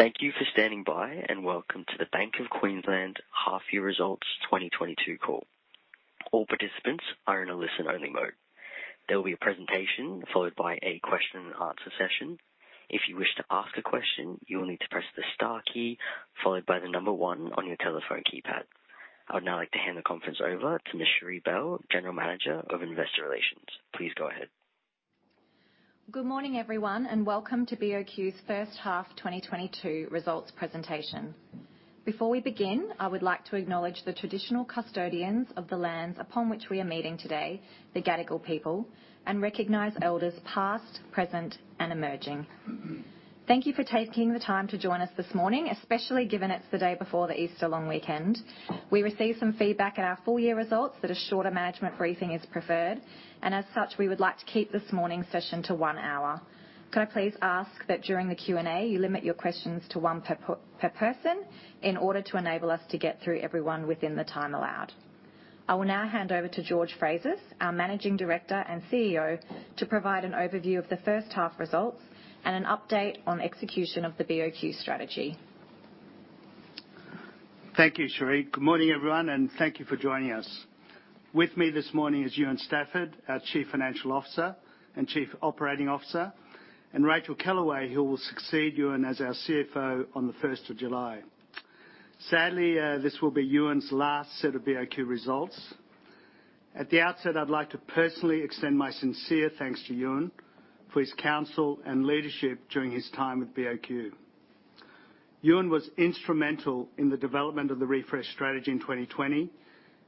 Thank you for standing by, and welcome to the Bank of Queensland half year results 2022 call. All participants are in a listen-only mode. There will be a presentation followed by a question and answer session. If you wish to ask a question, you will need to press the star key followed by the number 1 on your telephone keypad. I would now like to hand the conference over to Ms. Cherie Bell, General Manager of Investor Relations. Please go ahead. Good morning, everyone, and welcome to BOQ's first half 2022 results presentation. Before we begin, I would like to acknowledge the traditional custodians of the lands upon which we are meeting today, the Gadigal people, and recognize elders past, present, and emerging. Thank you for taking the time to join us this morning, especially given it's the day before the Easter long weekend. We received some feedback at our full-year results that a shorter management briefing is preferred. As such, we would like to keep this morning's session to one hour. Can I please ask that during the Q&A, you limit your questions to one per person in order to enable us to get through everyone within the time allowed. I will now hand over to George Frazis, our Managing Director and CEO, to provide an overview of the first half results and an update on execution of the BOQ strategy. Thank you, Cherie. Good morning, everyone, and thank you for joining us. With me this morning is Ewen Stafford, our Chief Financial Officer and Chief Operating Officer, and Racheal Kellaway, who will succeed Ewen as our CFO on the first of July. Sadly, this will be Ewen's last set of BOQ results. At the outset, I'd like to personally extend my sincere thanks to Ewen for his counsel and leadership during his time with BOQ. Ewen was instrumental in the development of the refresh strategy in 2020,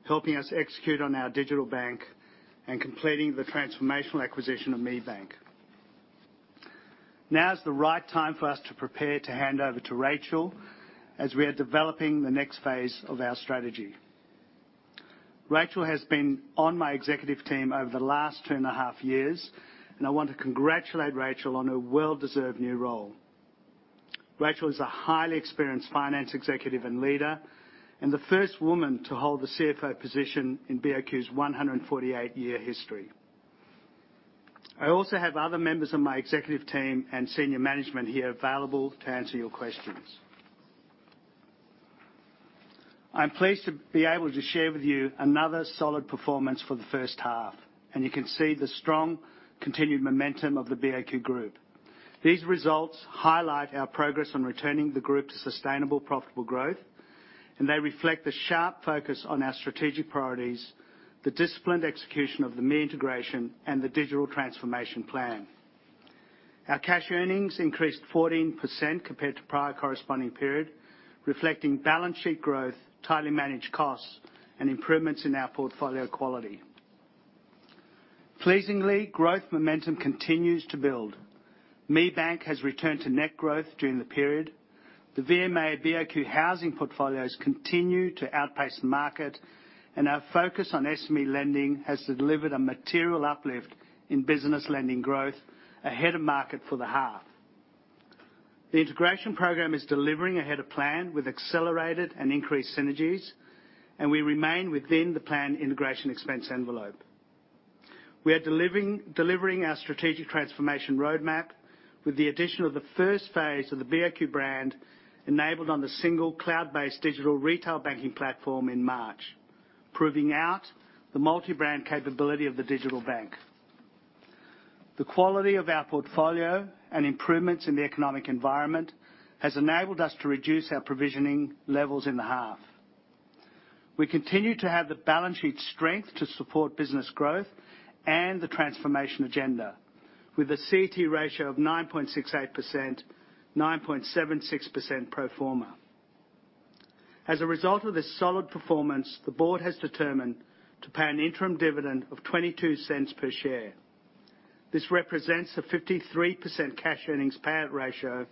helping us execute on our digital bank and completing the transformational acquisition of ME Bank. Now is the right time for us to prepare to hand over to Racheal as we are developing the next phase of our strategy. Rachel has been on my executive team over the last two and a half years, and I want to congratulate Rachel on her well-deserved new role. Rachel is a highly experienced finance executive and leader and the first woman to hold the CFO position in BOQ's 148-year history. I also have other members of my executive team and senior management here available to answer your questions. I'm pleased to be able to share with you another solid performance for the first half, and you can see the strong continued momentum of the BOQ Group. These results highlight our progress on returning the group to sustainable, profitable growth, and they reflect the sharp focus on our strategic priorities, the disciplined execution of the ME integration and the digital transformation plan. Our cash earnings increased 14% compared to prior corresponding period, reflecting balance sheet growth, tightly managed costs, and improvements in our portfolio quality. Pleasingly, growth momentum continues to build. ME Bank has returned to net growth during the period. The VMA BOQ housing portfolios continue to outpace the market, and our focus on SME lending has delivered a material uplift in business lending growth ahead of market for the half. The integration program is delivering ahead of plan with accelerated and increased synergies, and we remain within the plan integration expense envelope. We are delivering our strategic transformation roadmap with the addition of the first phase of the BOQ brand enabled on the single cloud-based digital retail banking platform in March, proving out the multi-brand capability of the digital bank. The quality of our portfolio and improvements in the economic environment has enabled us to reduce our provisioning levels in the half. We continue to have the balance sheet strength to support business growth and the transformation agenda with a CET ratio of 9.68%, 9.76% pro forma. As a result of this solid performance, the board has determined to pay an interim dividend of 0.22 per share. This represents a 53% cash earnings payout ratio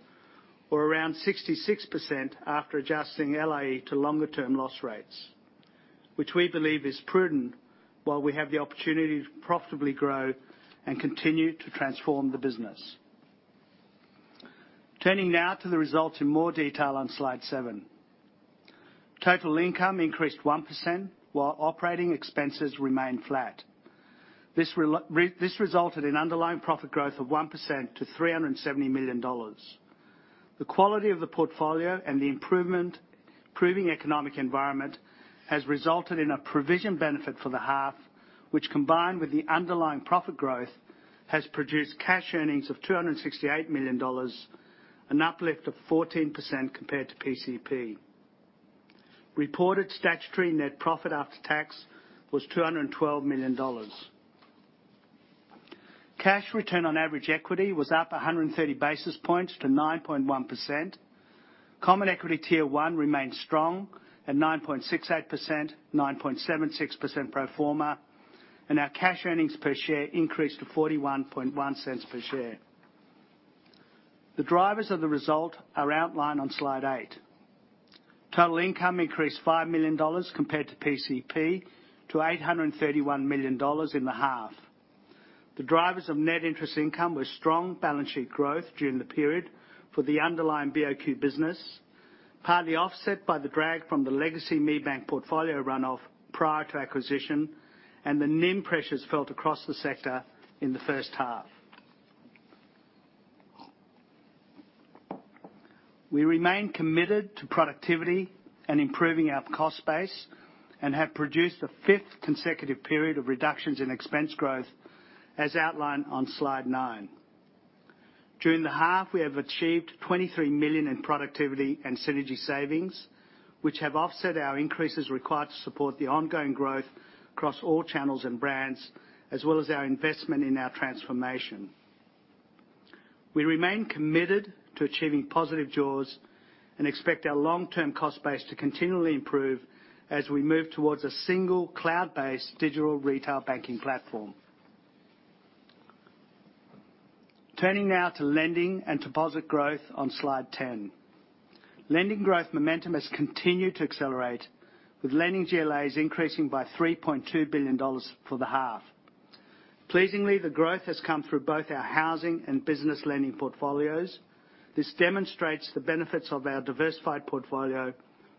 or around 66% after adjusting LIE to longer-term loss rates, which we believe is prudent while we have the opportunity to profitably grow and continue to transform the business. Turning now to the results in more detail on slide seven. Total income increased 1%, while operating expenses remained flat. This resulted in underlying profit growth of 1% to 370 million dollars. The quality of the portfolio and the improving economic environment has resulted in a provision benefit for the half, which, combined with the underlying profit growth, has produced cash earnings of 268 million dollars, an uplift of 14% compared to PCP. Reported statutory net profit after tax was 212 million dollars. Cash return on average equity was up 130 basis points to 9.1%. Common Equity Tier 1 remains strong at 9.68%, 9.76% pro forma, and our cash earnings per share increased to 41.1 cents per share. The drivers of the result are outlined on slide eight. Total income increased 5 million dollars compared to PCP to 831 million dollars in the half. The drivers of net interest income were strong balance sheet growth during the period for the underlying BOQ business, partly offset by the drag from the legacy ME Bank portfolio runoff prior to acquisition and the NIM pressures felt across the sector in the first half. We remain committed to productivity and improving our cost base and have produced a fifth consecutive period of reductions in expense growth as outlined on slide nine. During the half, we have achieved 23 million in productivity and synergy savings, which have offset our increases required to support the ongoing growth across all channels and brands, as well as our investment in our transformation. We remain committed to achieving positive jaws and expect our long-term cost base to continually improve as we move towards a single cloud-based digital retail banking platform. Turning now to lending and deposit growth on slide 10. Lending growth momentum has continued to accelerate with lending GLAs increasing by 3.2 billion dollars for the half. Pleasingly, the growth has come through both our housing and business lending portfolios. This demonstrates the benefits of our diversified portfolio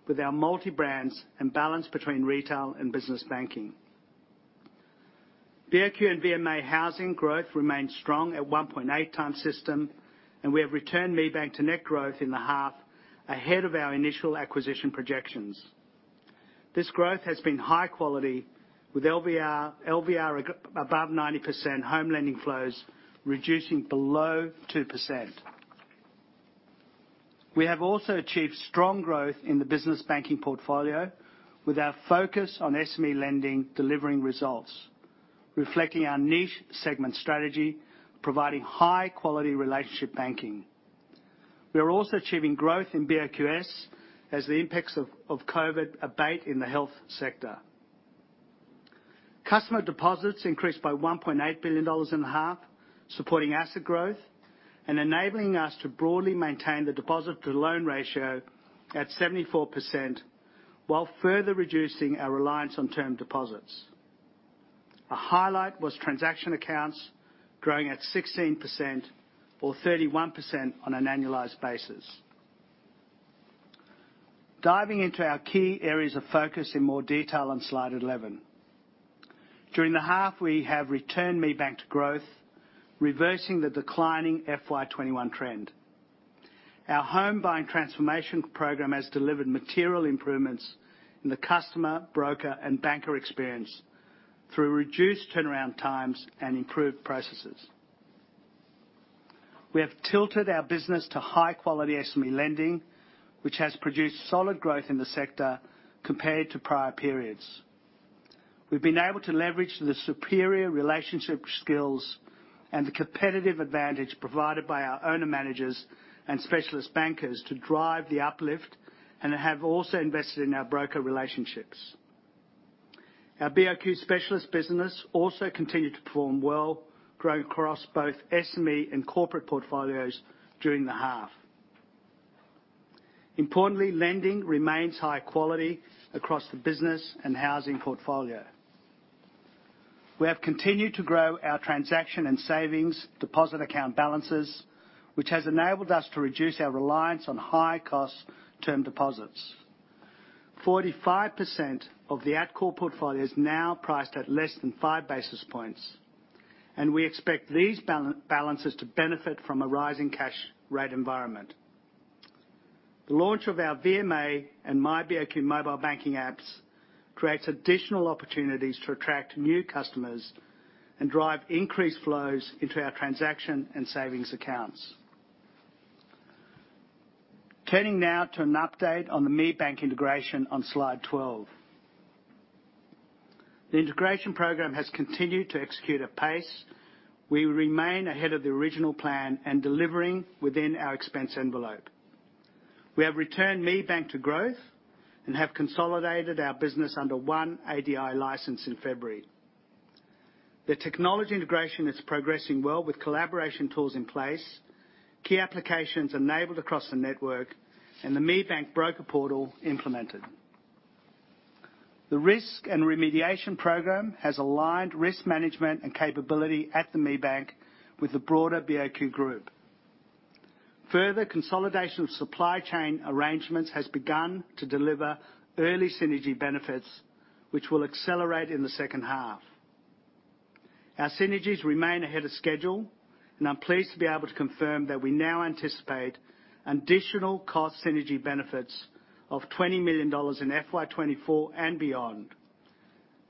with our multi-brands and balance between retail and business banking. BOQ and ME Bank housing growth remains strong at 1.8 times system, and we have returned ME Bank to net growth in the half ahead of our initial acquisition projections. This growth has been high quality with LVR above 90%, home lending flows reducing below 2%. We have also achieved strong growth in the business banking portfolio with our focus on SME lending, delivering results, reflecting our niche segment strategy, providing high-quality relationship banking. We are also achieving growth in BOQS as the impacts of COVID abate in the health sector. Customer deposits increased by 1.8 billion dollars in the half, supporting asset growth and enabling us to broadly maintain the deposit to loan ratio at 74% while further reducing our reliance on term deposits. A highlight was transaction accounts growing at 16% or 31% on an annualized basis. Diving into our key areas of focus in more detail on slide 11. During the half, we have returned ME Bank to growth, reversing the declining FY 2021 trend. Our home-buying transformation program has delivered material improvements in the customer, broker, and banker experience through reduced turnaround times and improved processes. We have tilted our business to high-quality SME lending, which has produced solid growth in the sector compared to prior periods. We've been able to leverage the superior relationship skills and the competitive advantage provided by our owner-managers and specialist bankers to drive the uplift and have also invested in our broker relationships. Our BOQ Specialist business also continued to perform well, growing across both SME and corporate portfolios during the half. Importantly, lending remains high quality across the business and housing portfolio. We have continued to grow our transaction and savings deposit account balances, which has enabled us to reduce our reliance on high-cost term deposits. 45% of the at-call portfolio is now priced at less than five basis points, and we expect these balances to benefit from a rising cash rate environment. The launch of our VMA and myBOQ mobile banking apps creates additional opportunities to attract new customers and drive increased flows into our transaction and savings accounts. Turning now to an update on the ME Bank integration on slide 12. The integration program has continued to execute at pace. We remain ahead of the original plan and delivering within our expense envelope. We have returned ME Bank to growth and have consolidated our business under one ADI license in February. The technology integration is progressing well with collaboration tools in place, key applications enabled across the network, and the ME Bank broker portal implemented. The risk and remediation program has aligned risk management and capability at the ME Bank with the broader BOQ Group. Further consolidation of supply chain arrangements has begun to deliver early synergy benefits, which will accelerate in the second half. Our synergies remain ahead of schedule, and I'm pleased to be able to confirm that we now anticipate additional cost synergy benefits of 20 million dollars in FY 2024 and beyond.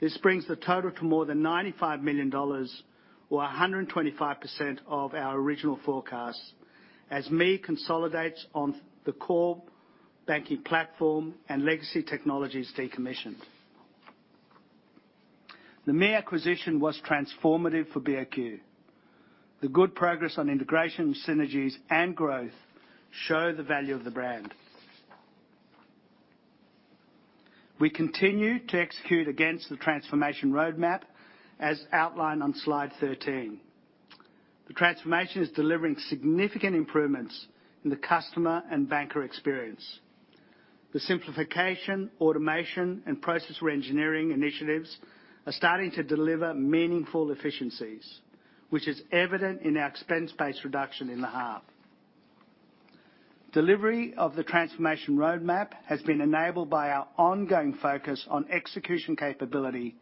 This brings the total to more than 95 million dollars or 125% of our original forecast as ME consolidates on the core banking platform and legacy technologies decommissioned. The ME acquisition was transformative for BOQ. The good progress on integration synergies and growth show the value of the brand. We continue to execute against the transformation roadmap as outlined on slide 13. The transformation is delivering significant improvements in the customer and banker experience. The simplification, automation, and process reengineering initiatives are starting to deliver meaningful efficiencies, which is evident in our expense base reduction in the half. Delivery of the transformation roadmap has been enabled by our ongoing focus on execution capability,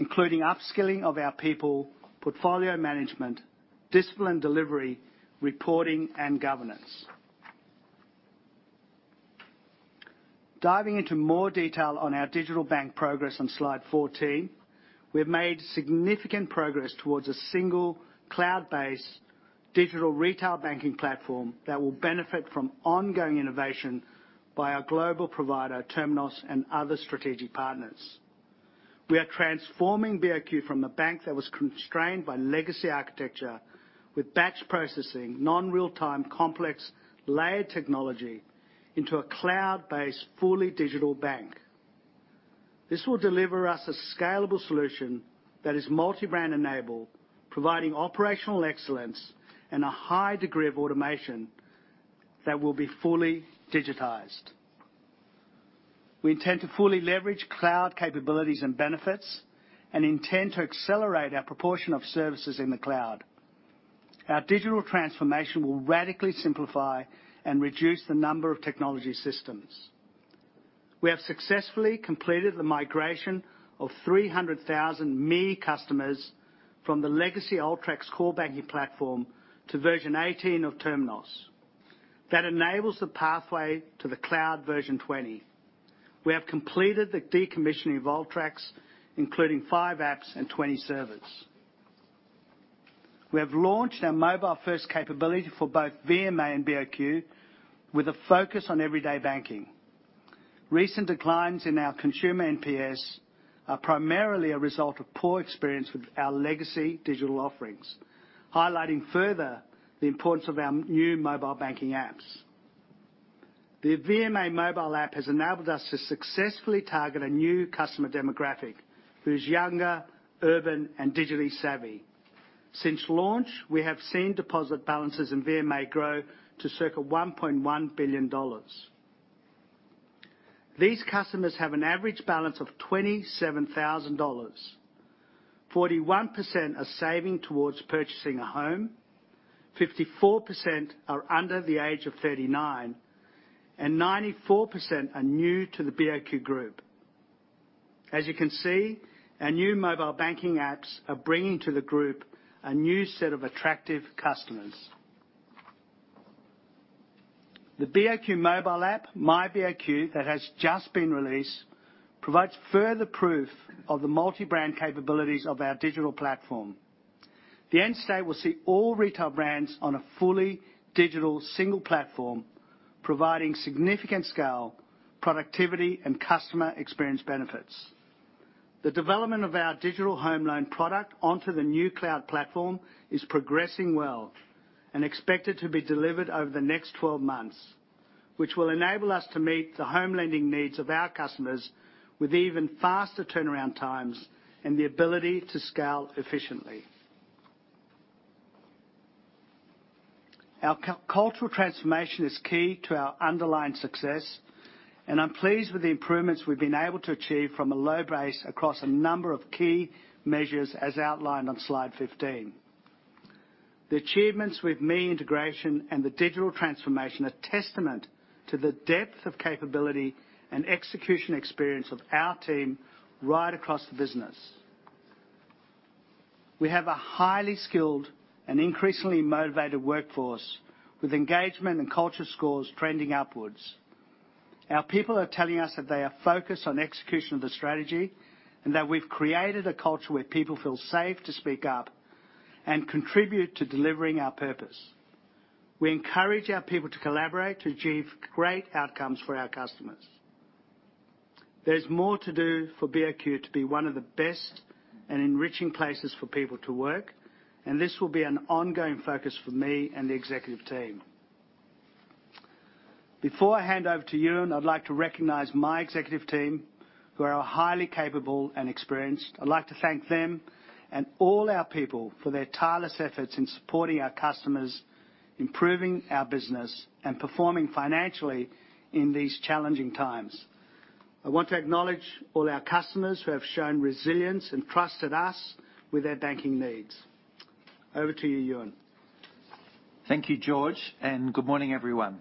including upskilling of our people, portfolio management, disciplined delivery, reporting, and governance. Diving into more detail on our digital bank progress on slide 14, we have made significant progress towards a single cloud-based digital retail banking platform that will benefit from ongoing innovation by our global provider, Temenos, and other strategic partners. We are transforming BOQ from a bank that was constrained by legacy architecture with batch processing, non-real-time complex layer technology into a cloud-based, fully digital bank. This will deliver us a scalable solution that is multi-brand enabled, providing operational excellence and a high degree of automation that will be fully digitized. We intend to fully leverage cloud capabilities and benefits, and intend to accelerate our proportion of services in the cloud. Our digital transformation will radically simplify and reduce the number of technology systems. We have successfully completed the migration of 300,000 ME customers from the legacy Ultracs core banking platform to version 18 of Temenos. That enables the pathway to the cloud version 20. We have completed the decommissioning of Ultracs, including five apps and 20 servers. We have launched our mobile-first capability for both VMA and BOQ with a focus on everyday banking. Recent declines in our consumer NPS are primarily a result of poor experience with our legacy digital offerings, highlighting further the importance of our new mobile banking apps. The VMA mobile app has enabled us to successfully target a new customer demographic who is younger, urban, and digitally savvy. Since launch, we have seen deposit balances in VMA grow to circa 1.1 billion dollars. These customers have an average balance of 27 thousand dollars. 41% are saving towards purchasing a home, 54% are under the age of 39, and 94% are new to the BOQ Group. As you can see, our new mobile banking apps are bringing to the group a new set of attractive customers. The BOQ mobile app, myBOQ, that has just been released, provides further proof of the multi-brand capabilities of our digital platform. The end state will see all retail brands on a fully digital single platform, providing significant scale, productivity, and customer experience benefits. The development of our digital home loan product onto the new cloud platform is progressing well and expected to be delivered over the next 12 months, which will enable us to meet the home lending needs of our customers with even faster turnaround times and the ability to scale efficiently. Our cultural transformation is key to our underlying success, and I'm pleased with the improvements we've been able to achieve from a low base across a number of key measures, as outlined on slide 15. The achievements with ME integration and the digital transformation are testament to the depth of capability and execution experience of our team right across the business. We have a highly skilled and increasingly motivated workforce, with engagement and culture scores trending upwards. Our people are telling us that they are focused on execution of the strategy, and that we've created a culture where people feel safe to speak up and contribute to delivering our purpose. We encourage our people to collaborate to achieve great outcomes for our customers. There's more to do for BOQ to be one of the best and enriching places for people to work, and this will be an ongoing focus for me and the executive team. Before I hand over to Ewen, I'd like to recognize my executive team, who are highly capable and experienced. I'd like to thank them and all our people for their tireless efforts in supporting our customers, improving our business, and performing financially in these challenging times. I want to acknowledge all our customers who have shown resilience and trusted us with their banking needs. Over to you, Ewen. Thank you, George, and good morning, everyone.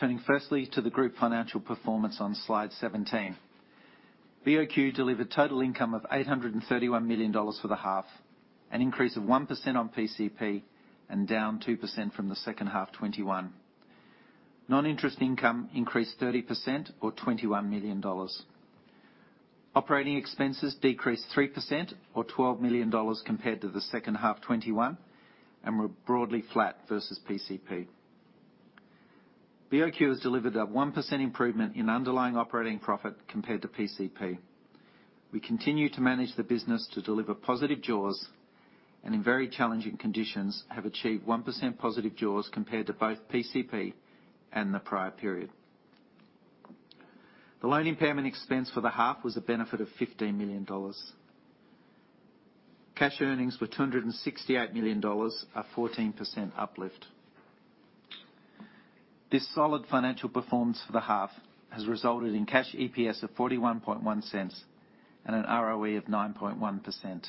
Turning firstly to the group financial performance on slide 17. BOQ delivered total income of 831 million dollars for the half, an increase of 1% on PCP and down 2% from the second half 2021. Non-interest income increased 30% or 21 million dollars. Operating expenses decreased 3% or 12 million dollars compared to the second half 2021, and were broadly flat versus PCP. BOQ has delivered a 1% improvement in underlying operating profit compared to PCP. We continue to manage the business to deliver positive jaws, and in very challenging conditions, have achieved 1% positive jaws compared to both PCP and the prior period. The loan impairment expense for the half was a benefit of 15 million dollars. Cash earnings were 268 million dollars, a 14% uplift. This solid financial performance for the half has resulted in cash EPS of 0.411 and an ROE of 9.1%.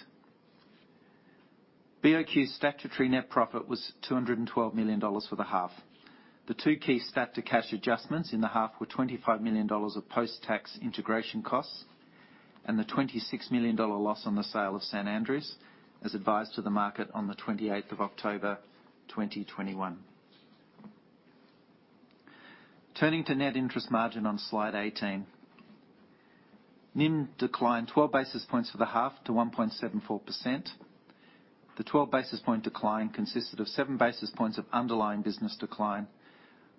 BOQ's statutory net profit was 212 million dollars for the half. The two key statutory to cash adjustments in the half were 25 million dollars of post-tax integration costs and the 26 million dollar loss on the sale of St Andrew's, as advised to the market on the 28th of October 2021. Turning to net interest margin on slide 18. NIM declined 12 basis points for the half to 1.74%. The 12 basis point decline consisted of seven basis points of underlying business decline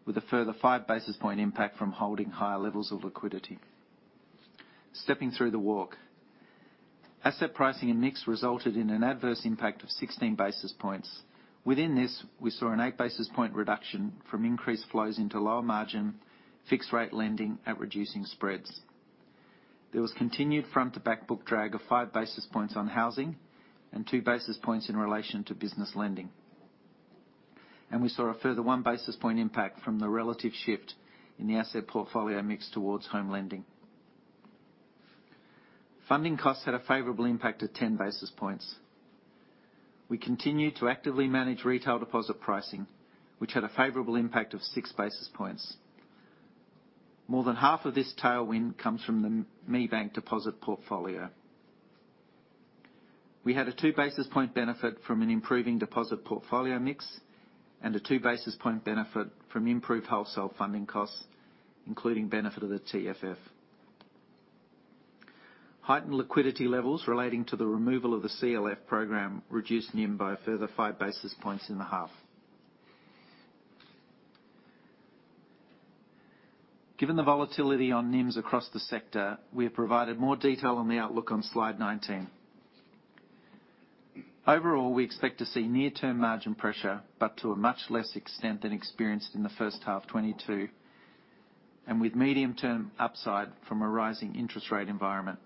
with a further five basis point impact from holding higher levels of liquidity. Stepping through the walk. Asset pricing and mix resulted in an adverse impact of 16 basis points. Within this, we saw an eight basis point reduction from increased flows into lower margin, fixed rate lending at reducing spreads. There was continued front to back book drag of five basis points on housing and two basis points in relation to business lending. We saw a further one basis point impact from the relative shift in the asset portfolio mix towards home lending. Funding costs had a favorable impact of 10 basis points. We continued to actively manage retail deposit pricing, which had a favorable impact of six basis points. More than half of this tailwind comes from the ME Bank deposit portfolio. We had a two basis point benefit from an improving deposit portfolio mix and a two basis point benefit from improved wholesale funding costs, including benefit of the TFF. Heightened liquidity levels relating to the removal of the CLF program reduced NIM by a further five basis points in the half. Given the volatility on NIMs across the sector, we have provided more detail on the outlook on slide 19. Overall, we expect to see near-term margin pressure, but to a much less extent than experienced in the first half 2022, and with medium-term upside from a rising interest rate environment.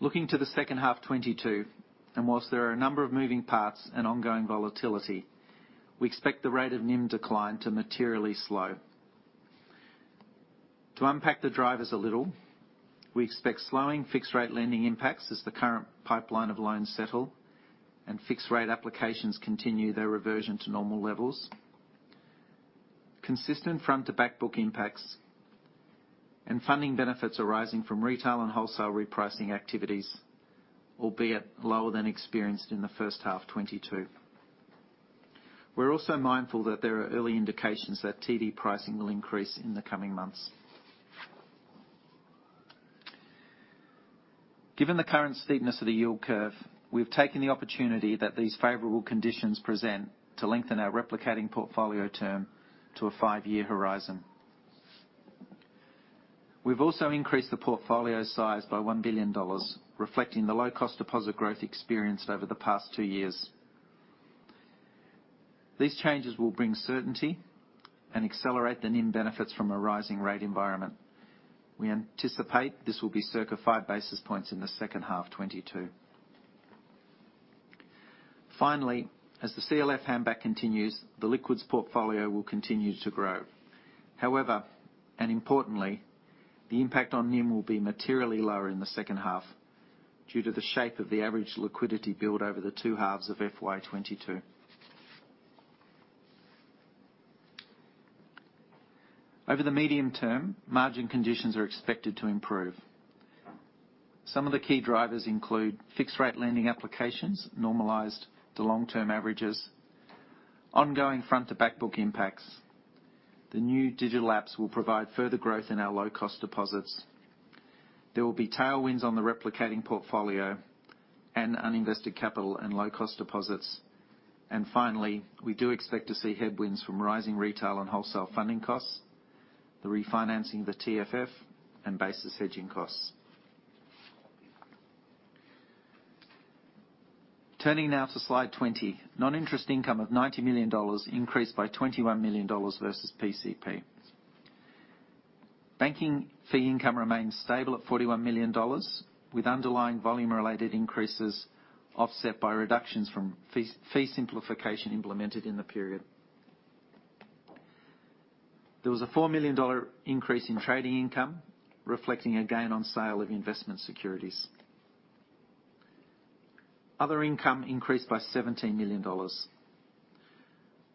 Looking to the second half 2022, whilst there are a number of moving parts and ongoing volatility, we expect the rate of NIM decline to materially slow. To unpack the drivers a little, we expect slowing fixed-rate lending impacts as the current pipeline of loans settle and fixed-rate applications continue their reversion to normal levels. Consistent front-to-back book impacts and funding benefits arising from retail and wholesale repricing activities, albeit lower than experienced in the first half 2022. We're also mindful that there are early indications that TD pricing will increase in the coming months. Given the current steepness of the yield curve, we've taken the opportunity that these favorable conditions present to lengthen our replicating portfolio term to a five-year horizon. We've also increased the portfolio size by 1 billion dollars, reflecting the low-cost deposit growth experienced over the past two years. These changes will bring certainty and accelerate the NIM benefits from a rising rate environment. We anticipate this will be circa five basis points in the second half 2022. Finally, as the CLF handback continues, the liquids portfolio will continue to grow. However, and importantly, the impact on NIM will be materially lower in the second half due to the shape of the average liquidity build over the two halves of FY 2022. Over the medium term, margin conditions are expected to improve. Some of the key drivers include fixed-rate lending applications normalized to long-term averages, ongoing front-to-back book impacts. The new digital apps will provide further growth in our low-cost deposits. There will be tailwinds on the replicating portfolio, and uninvested capital, and low-cost deposits. And finally, we do expect to see headwinds from rising retail and wholesale funding costs, the refinancing of the TFF and basis hedging costs. Turning now to slide 20. Non-interest income of 90 million dollars increased by 21 million dollars versus PCP. Banking fee income remained stable at 41 million dollars, with underlying volume-related increases offset by reductions from fee simplification implemented in the period. There was a 4 million dollar increase in trading income, reflecting a gain-on-sale of investment securities. Other income increased by 17 million dollars.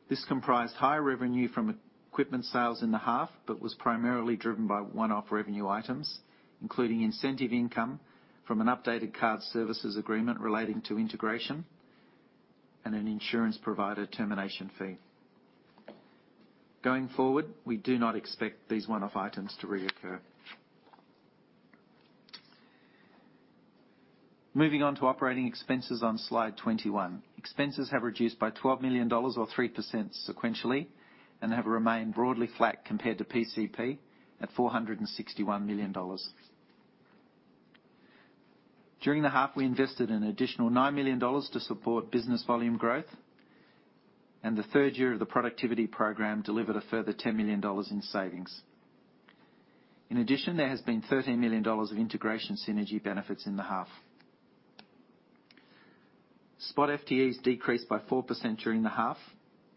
This comprised higher revenue from equipment sales in the half, but was primarily driven by one-off revenue items, including incentive income from an updated card services agreement relating to integration and an insurance provider termination fee. Going forward, we do not expect these one-off items to reoccur. Moving on to operating expenses on slide 21. Expenses have reduced by 12 million dollars or 3% sequentially and have remained broadly flat compared to PCP at 461 million dollars. During the half, we invested an additional 9 million dollars to support business volume growth, and the third year of the productivity program delivered a further 10 million dollars in savings. In addition, there has been 13 million dollars of integration synergy benefits in the half. Spot FTEs decreased by 4% during the half,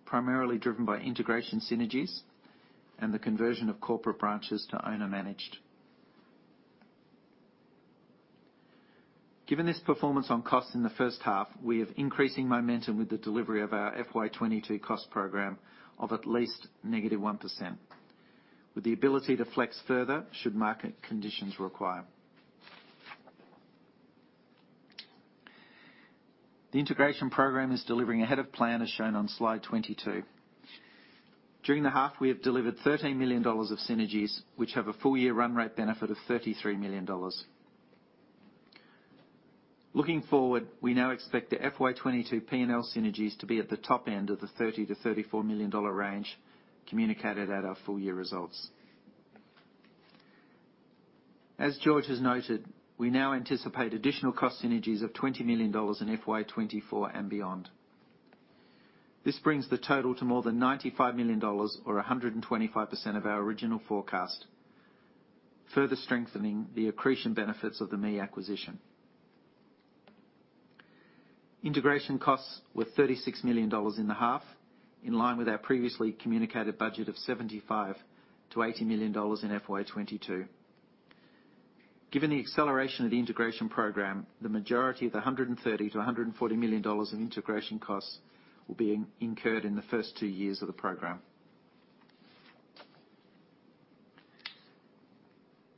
primarily driven by integration synergies and the conversion of corporate branches to owner-managed. Given this performance on cost in the first half, we have increasing momentum with the delivery of our FY 2022 cost program of at least negative 1%, with the ability to flex further should market conditions require. The integration program is delivering ahead of plan, as shown on slide 22. During the half, we have delivered 13 million dollars of synergies, which have a full-year run-rate benefit of 33 million dollars. Looking forward, we now expect the FY 2022 P&L synergies to be at the top end of the 30-34 million dollar range communicated at our full-year results. As George has noted, we now anticipate additional cost synergies of 20 million dollars in FY 2024 and beyond. This brings the total to more than 95 million dollars or 125% of our original forecast, further strengthening the accretion benefits of the ME acquisition. Integration costs were 36 million dollars in the half, in line with our previously communicated budget of 75-80 million dollars in FY 2022. Given the acceleration of the integration program, the majority of the 130-140 million dollars in integration costs will be incurred in the first two years of the program.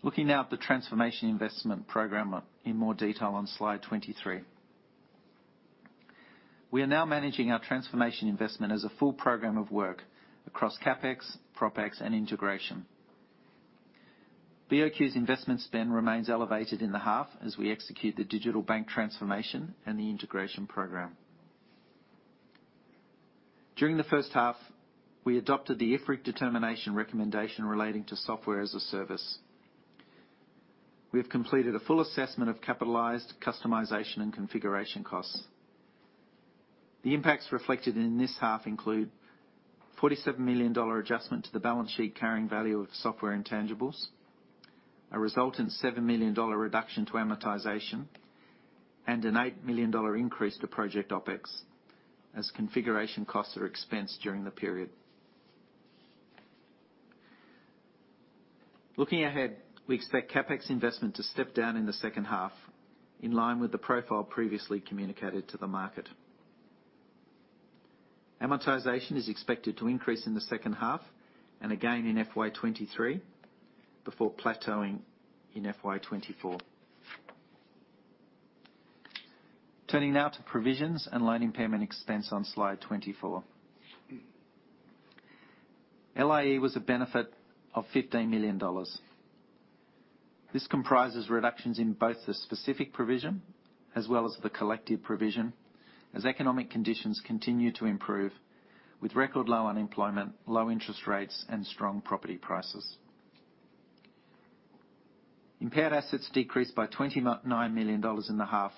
Looking now at the transformation investment program in more detail on slide 23. We are now managing our transformation investment as a full program of work across CapEx, PropEx, and integration. BOQ's investment spend remains elevated in the half as we execute the digital bank transformation and the integration program. During the first half, we adopted the IFRIC determination recommendation relating to software as a service. We have completed a full assessment of capitalized-customization and configuration costs. The impacts reflected in this half include 47 million dollar adjustment to the balance sheet carrying value of software intangibles, a resultant 7 million dollar reduction to amortization, and an 8 million dollar increase to project OpEx as configuration costs are expensed during the period. Looking ahead, we expect CapEx investment to step down in the second half, in line with the profile previously communicated to the market. Amortization is expected to increase in the second half and again in FY 2023 before plateauing in FY 2024. Turning now to provisions and loan impairment expense on slide 24. LIE was a benefit of 15 million dollars. This comprises reductions in both the specific provision as well as the collective provision as economic conditions continue to improve with record low unemployment, low interest rates, and strong property prices. Impaired assets decreased by 29 million dollars in the half,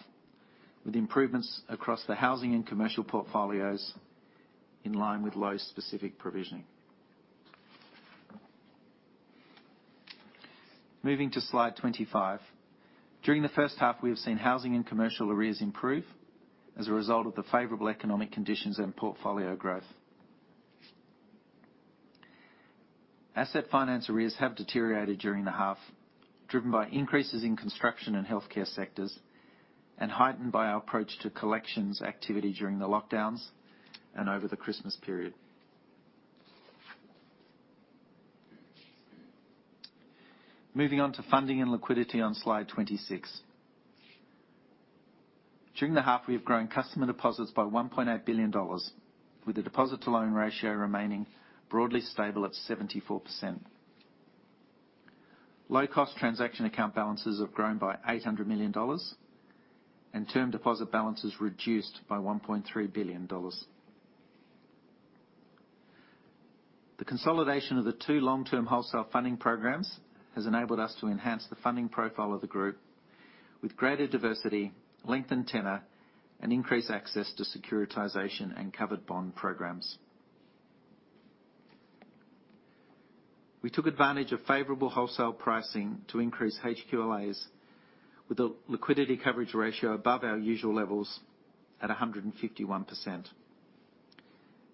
with improvements across the housing and commercial portfolios in line with low specific provisioning. Moving to slide 25. During the first half, we have seen housing and commercial arrears improve as a result of the favorable economic conditions and portfolio growth. Asset finance arrears have deteriorated during the half, driven by increases in construction and healthcare sectors, and heightened by our approach to collections activity during the lockdowns and over the Christmas period. Moving on to funding and liquidity on slide 26. During the half, we have grown customer deposits by 1.8 billion dollars, with the deposit to loan ratio remaining broadly stable at 74%. Low-cost transaction account balances have grown by 800 million dollars, and term deposit balances reduced by 1.3 billion dollars. The consolidation of the two long-term wholesale funding programs has enabled us to enhance the funding profile of the group with greater diversity, lengthened tenor, and increased access to securitization and covered bond programs. We took advantage of favorable wholesale pricing to increase HQLAs, with the liquidity coverage ratio above our usual levels at 151%.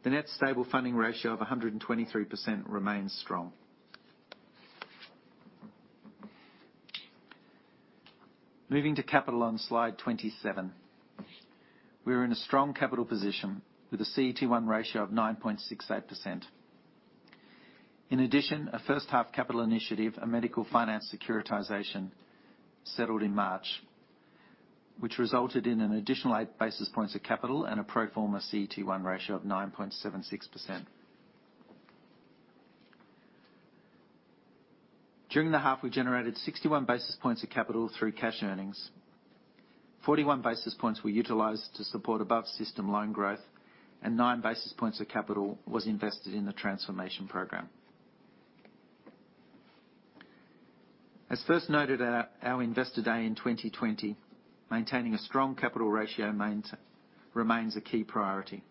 The net stable funding ratio of 123% remains strong. Moving to capital on slide 27. We are in a strong capital position with a CET1 ratio of 9.68%. In addition, a first-half capital initiative, a medical finance securitization, settled in March, which resulted in an additional eight basis points of capital and a pro forma CET1 ratio of 9.76%. During the half, we generated 61 basis points of capital through cash earnings. 41 basis points were utilized to support above-system loan growth, and nine basis points of capital was invested in the transformation program. As first noted at our Investor Day in 2020, maintaining a strong capital ratio remains a key priority.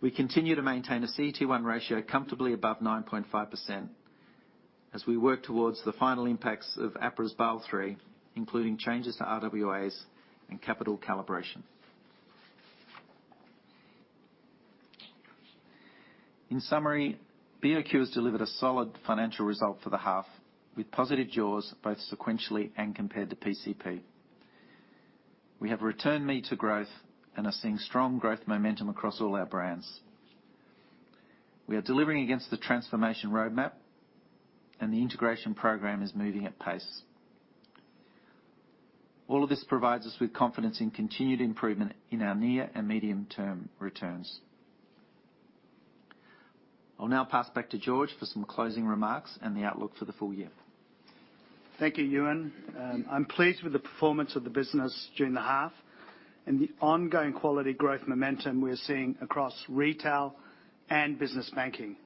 We continue to maintain a CET1 ratio comfortably above 9.5% as we work towards the final impacts of APRA's Basel rate, including changes to RWAs and capital calibration. In summary, BOQ has delivered a solid financial result for the half, with positive jaws both sequentially and compared to PCP. We have returned ME to growth and are seeing strong growth momentum across all our brands. We are delivering against the transformation roadmap, and the integration program is moving at pace. All of this provides us with confidence in continued improvement in our near and medium-term returns. I'll now pass back to George for some closing remarks and the outlook for the full-year. Thank you, Ewen. I'm pleased with the performance of the business during the half and the ongoing quality growth momentum we're seeing across retail and business banking.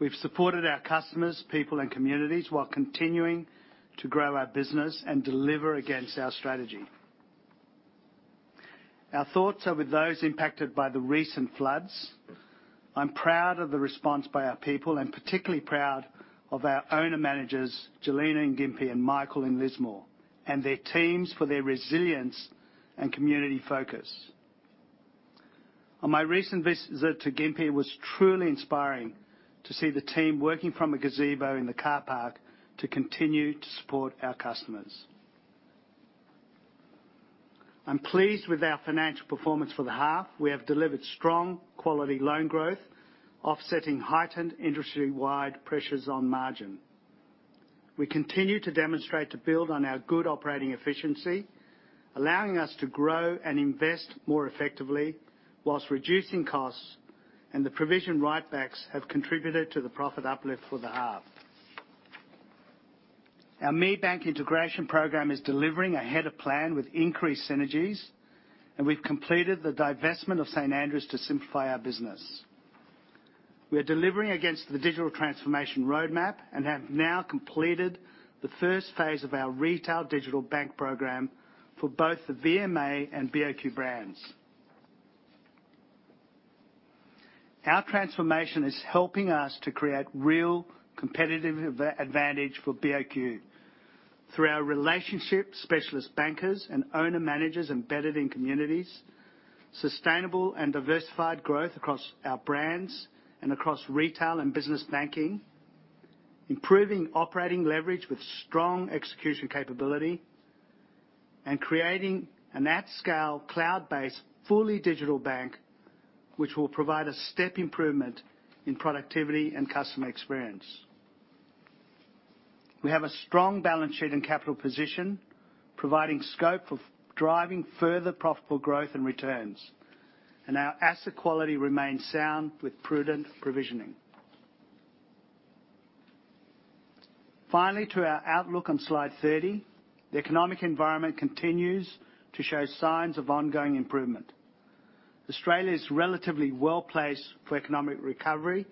We've supported our customers, people, and communities while continuing to grow our business and deliver against our strategy. Our thoughts are with those impacted by the recent floods. I'm proud of the response by our people and particularly proud of our owner managers, Jellina in Gympie and Michael in Lismore, and their teams, for their resilience and community focus. On my recent visit to Gympie, it was truly inspiring to see the team working from a gazebo in the car park to continue to support our customers. I'm pleased with our financial performance for the half. We have delivered strong quality loan growth, offsetting heightened industry-wide pressures on margin. We continue to demonstrate to build on our good operating efficiency, allowing us to grow and invest more effectively while reducing costs, and the provision write backs have contributed to the profit uplift for the half. Our ME Bank integration program is delivering ahead of plan with increased synergies, and we've completed the divestment of St Andrew's to simplify our business. We are delivering against the digital transformation roadmap and have now completed the first phase of our retail digital bank program for both the VMA and BOQ brands. Our transformation is helping us to create real competitive advantage for BOQ through our relationship specialist bankers and owner managers embedded in communities, sustainable and diversified growth across our brands and across retail and business banking, improving operating leverage with strong execution capability, and creating an at-scale cloud-based, fully digital bank, which will provide a step improvement in productivity and customer experience. We have a strong balance sheet and capital position, providing scope of driving further profitable growth and returns, and our asset quality remains sound with prudent provisioning. Finally, to our outlook on slide 30. The economic environment continues to show signs of ongoing improvement. Australia is relatively well-placed for economic recovery,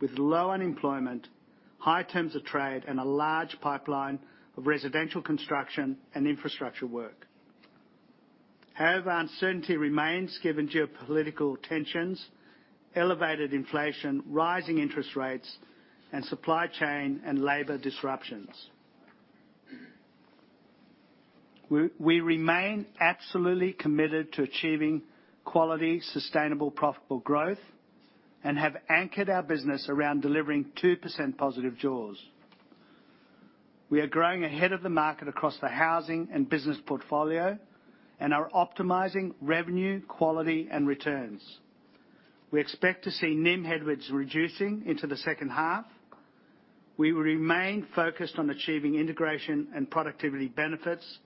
with low unemployment, high terms of trade, and a large pipeline of residential construction and infrastructure work. However, uncertainty remains given geopolitical tensions, elevated inflation, rising interest rates, and supply chain and labor disruptions. We remain absolutely committed to achieving quality, sustainable, profitable growth and have anchored our business around delivering 2% positive jaws. We are growing ahead of the market across the housing and business portfolio and are optimizing revenue, quality, and returns. We expect to see NIM headwinds reducing into the second half. We will remain focused on achieving integration and productivity benefits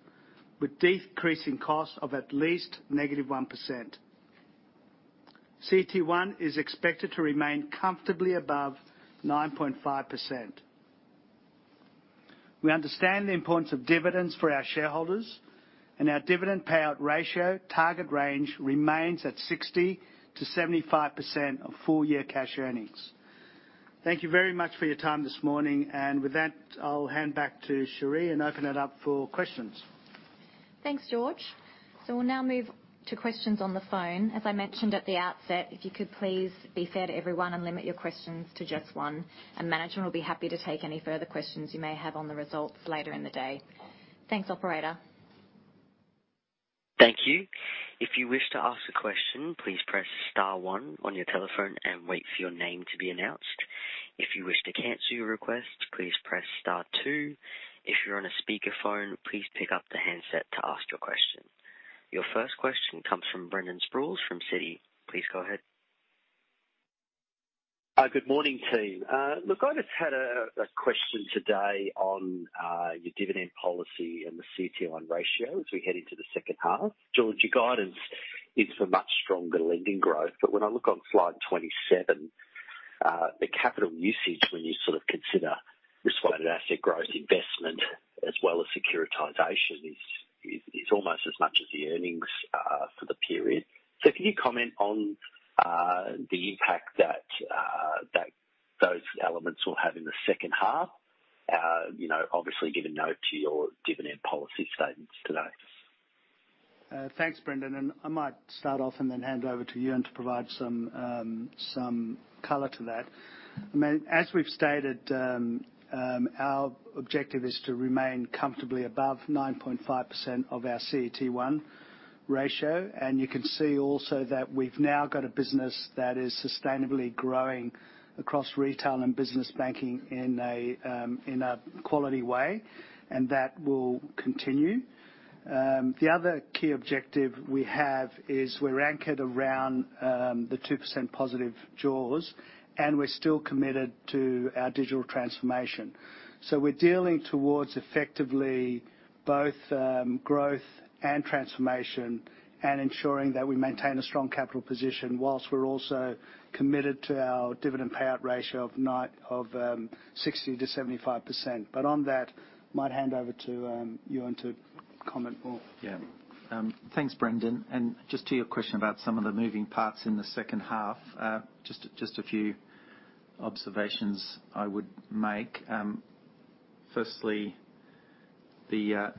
with decreasing cost of at least negative 1%. CET1 is expected to remain comfortably above 9.5%. We understand the importance of dividends for our shareholders, and our dividend payout ratio target range remains at 60%-75% of full year cash earnings. Thank you very much for your time this morning. With that, I'll hand back to Cherie and open it up for questions. Thanks, George. So we'll now move to questions on the phone. As I mentioned at the outset, if you could please be fair to everyone and limit your questions to just one. Management will be happy to take any further questions you may have on the results later in the day. Thanks, operator. Thank you. If you wish to ask a question, please press star one on your telephone and wait for your name to be announced. If you wish to cancel your request, please press star two. If you're on a speakerphone, please pick up the handset to ask your question. Your first question comes from Brendan Sproules from Citi. Please go ahead. Good morning, team. Look, I just had a question today on your dividend policy and the CET1 ratio as we head into the second half. George, your guidance is for much stronger lending growth. When I look on slide 27, the capital usage, when you sort of consider projected asset growth, investment as well as securitization is almost as much as the earnings for the period. Can you comment on the impact that those elements we'll have in the second half. You know, obviously give a note to your dividend policy statements today. Thanks, Brendan. I might start off and then hand over to Ewen to provide some color to that. I mean, as we've stated, our objective is to remain comfortably above 9.5% of our CET1 ratio. You can see also that we've now got a business that is sustainably growing across retail and business banking in a quality way, and that will continue. The other key objective we have is we're anchored around the 2% positive jaws, and we're still committed to our digital transformation. We're driving towards effectively both growth and transformation and ensuring that we maintain a strong capital position while we're also committed to our dividend payout ratio of 60%-75%. On that, might hand over to Ewen to comment more. Yeah. Thanks, Brendan. Just to your question about some of the moving parts in the second half, just a few observations I would make. Firstly, the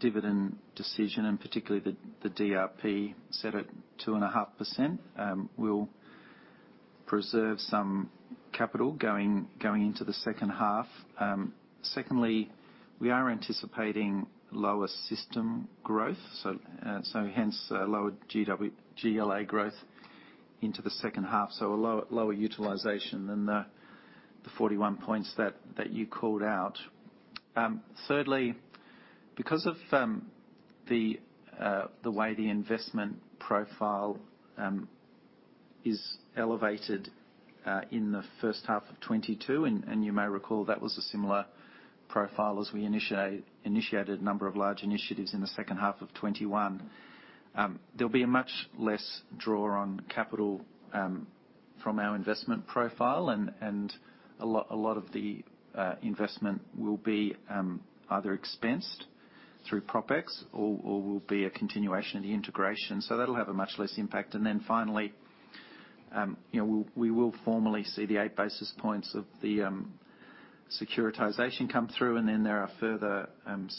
dividend decision and particularly the DRP set at 2.5%, will preserve some capital going into the second half. Secondly, we are anticipating lower system growth, so hence lower GLA growth into the second half, so a lower utilization than the 41 points that you called out. Thirdly, because of the way the investment profile is elevated in the first half of 2022, and you may recall that was a similar profile as we initiated a number of large initiatives in the second half of 2021. There'll be a much less draw on capital from our investment profile and a lot of the investment will be either expensed through PropEx or will be a continuation of the integration. That'll have a much less impact. Finally, you know, we will formally see the eight basis points of the securitization come through. There are further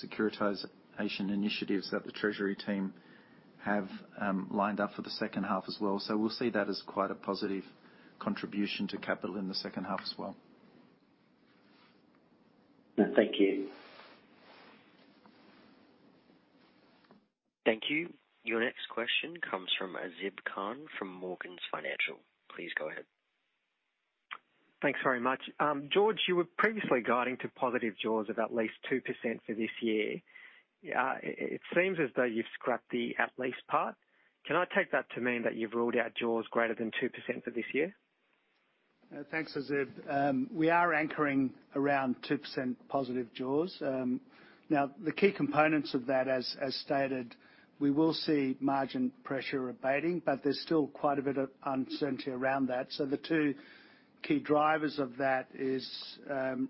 securitization initiatives that the treasury team have lined up for the second half as well. We'll see that as quite a positive contribution to capital in the second half as well. Thank you. Thank you. Your next question comes from Azib Khan from Morgans Financial. Please go ahead. Thanks very much. George, you were previously guiding to positive jaws of at least 2% for this year. It seems as though you've scrapped the at least part. Can I take that to mean that you've ruled out jaws greater than 2% for this year? Thanks, Azib. We are anchoring around 2% positive jaws. Now, the key components of that, as stated, we will see margin pressure abating, but there's still quite a bit of uncertainty around that. The two key drivers of that is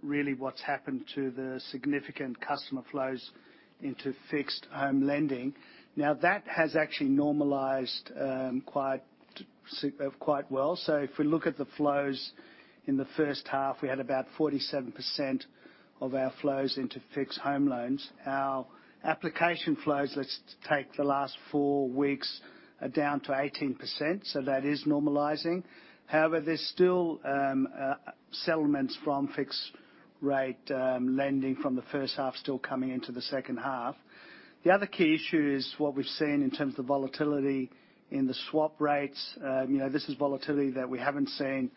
really what's happened to the significant customer flows into fixed home lending. Now, that has actually normalized quite well. If we look at the flows in the first half, we had about 47% of our flows into fixed home loans. Our application flows, let's take the last four weeks, are down to 18%, so that is normalizing. However, there's still settlements from fixed-rate lending from the first half still coming into the second half. The other key issue is what we've seen in terms of volatility in the swap rates. You know, this is volatility that we haven't seen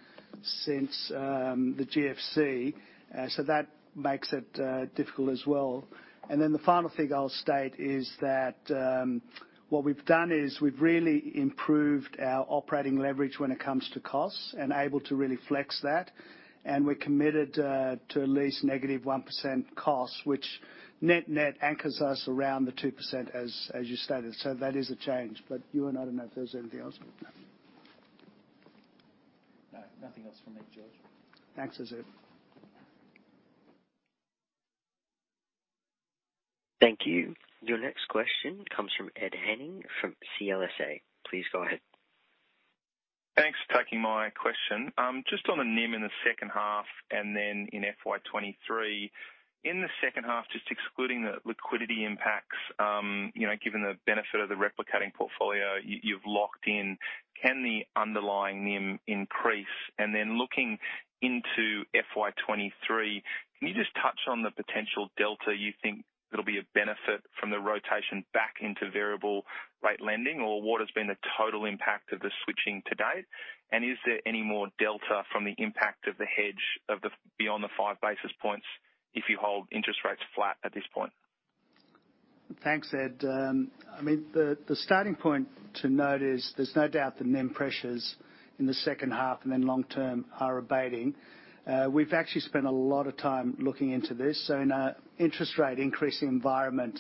since the GFC. That makes it difficult as well. The final thing I'll state is that what we've done is we've really improved our operating leverage when it comes to costs and able to really flex that. We're committed to at least -1% costs, which net-net anchors us around the 2% as you stated. That is a change. Ewen, I don't know if there's anything else. No, nothing else from me, George. Thanks, Azib. Thank you. Your next question comes from Ed Henning from CLSA. Please go ahead. Thanks for taking my question. Just on a NIM in the second half and then in FY 2023. In the second half, just excluding the liquidity impacts, you know, given the benefit of the replicating portfolio you've locked in, can the underlying NIM increase? Looking into FY 2023, can you just touch on the potential delta you think it'll be of benefit from the rotation back into variable rate lending, or what has been the total impact of the switching to date? Is there any more delta from the impact of the hedge of the, beyond the five basis points if you hold interest rates flat at this point? Thanks, Ed. I mean, the starting point to note is there's no doubt the NIM pressures in the second half and then long-term are abating. We've actually spent a lot of time looking into this. In a interest rate increasing environment,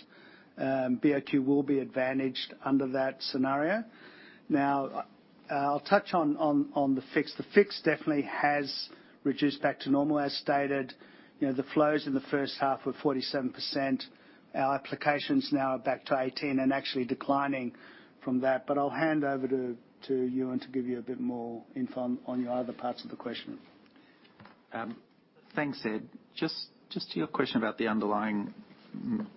BOQ will be advantaged under that scenario. Now, I'll touch on the fix. The fix definitely has reduced back to normal. As stated, you know, the flows in the first half were 47%. Our applications now are back to 18% and actually declining from that. I'll hand over to Ewen to give you a bit more info on your other parts of the question. Thanks, Ed. Just to your question about the underlying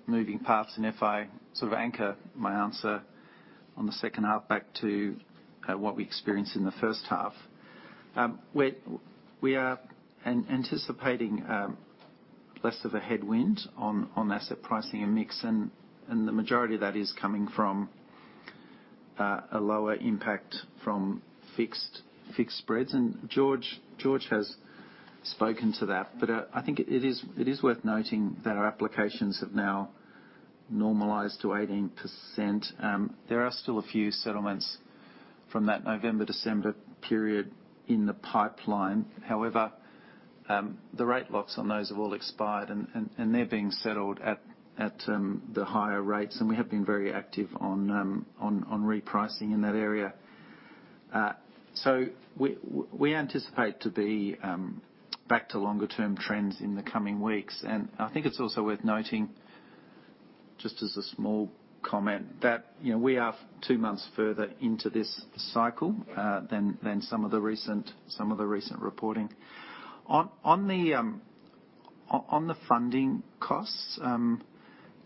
moving parts, and if I sort of anchor my answer on the second half back to what we experienced in the first half. We are anticipating less of a headwind on asset pricing and mix, and the majority of that is coming from a lower impact from fixed spreads. George has spoken to that. I think it is worth noting that our applications have now normalized to 18%. There are still a few settlements from that November, December period in the pipeline. However, the rate locks on those have all expired and they're being settled at the higher rates, and we have been very active on repricing in that area. We anticipate to be back to longer-term trends in the coming weeks. I think it's also worth noting, just as a small comment that, you know, we are two months further into this cycle than some of the recent reporting. On the funding costs,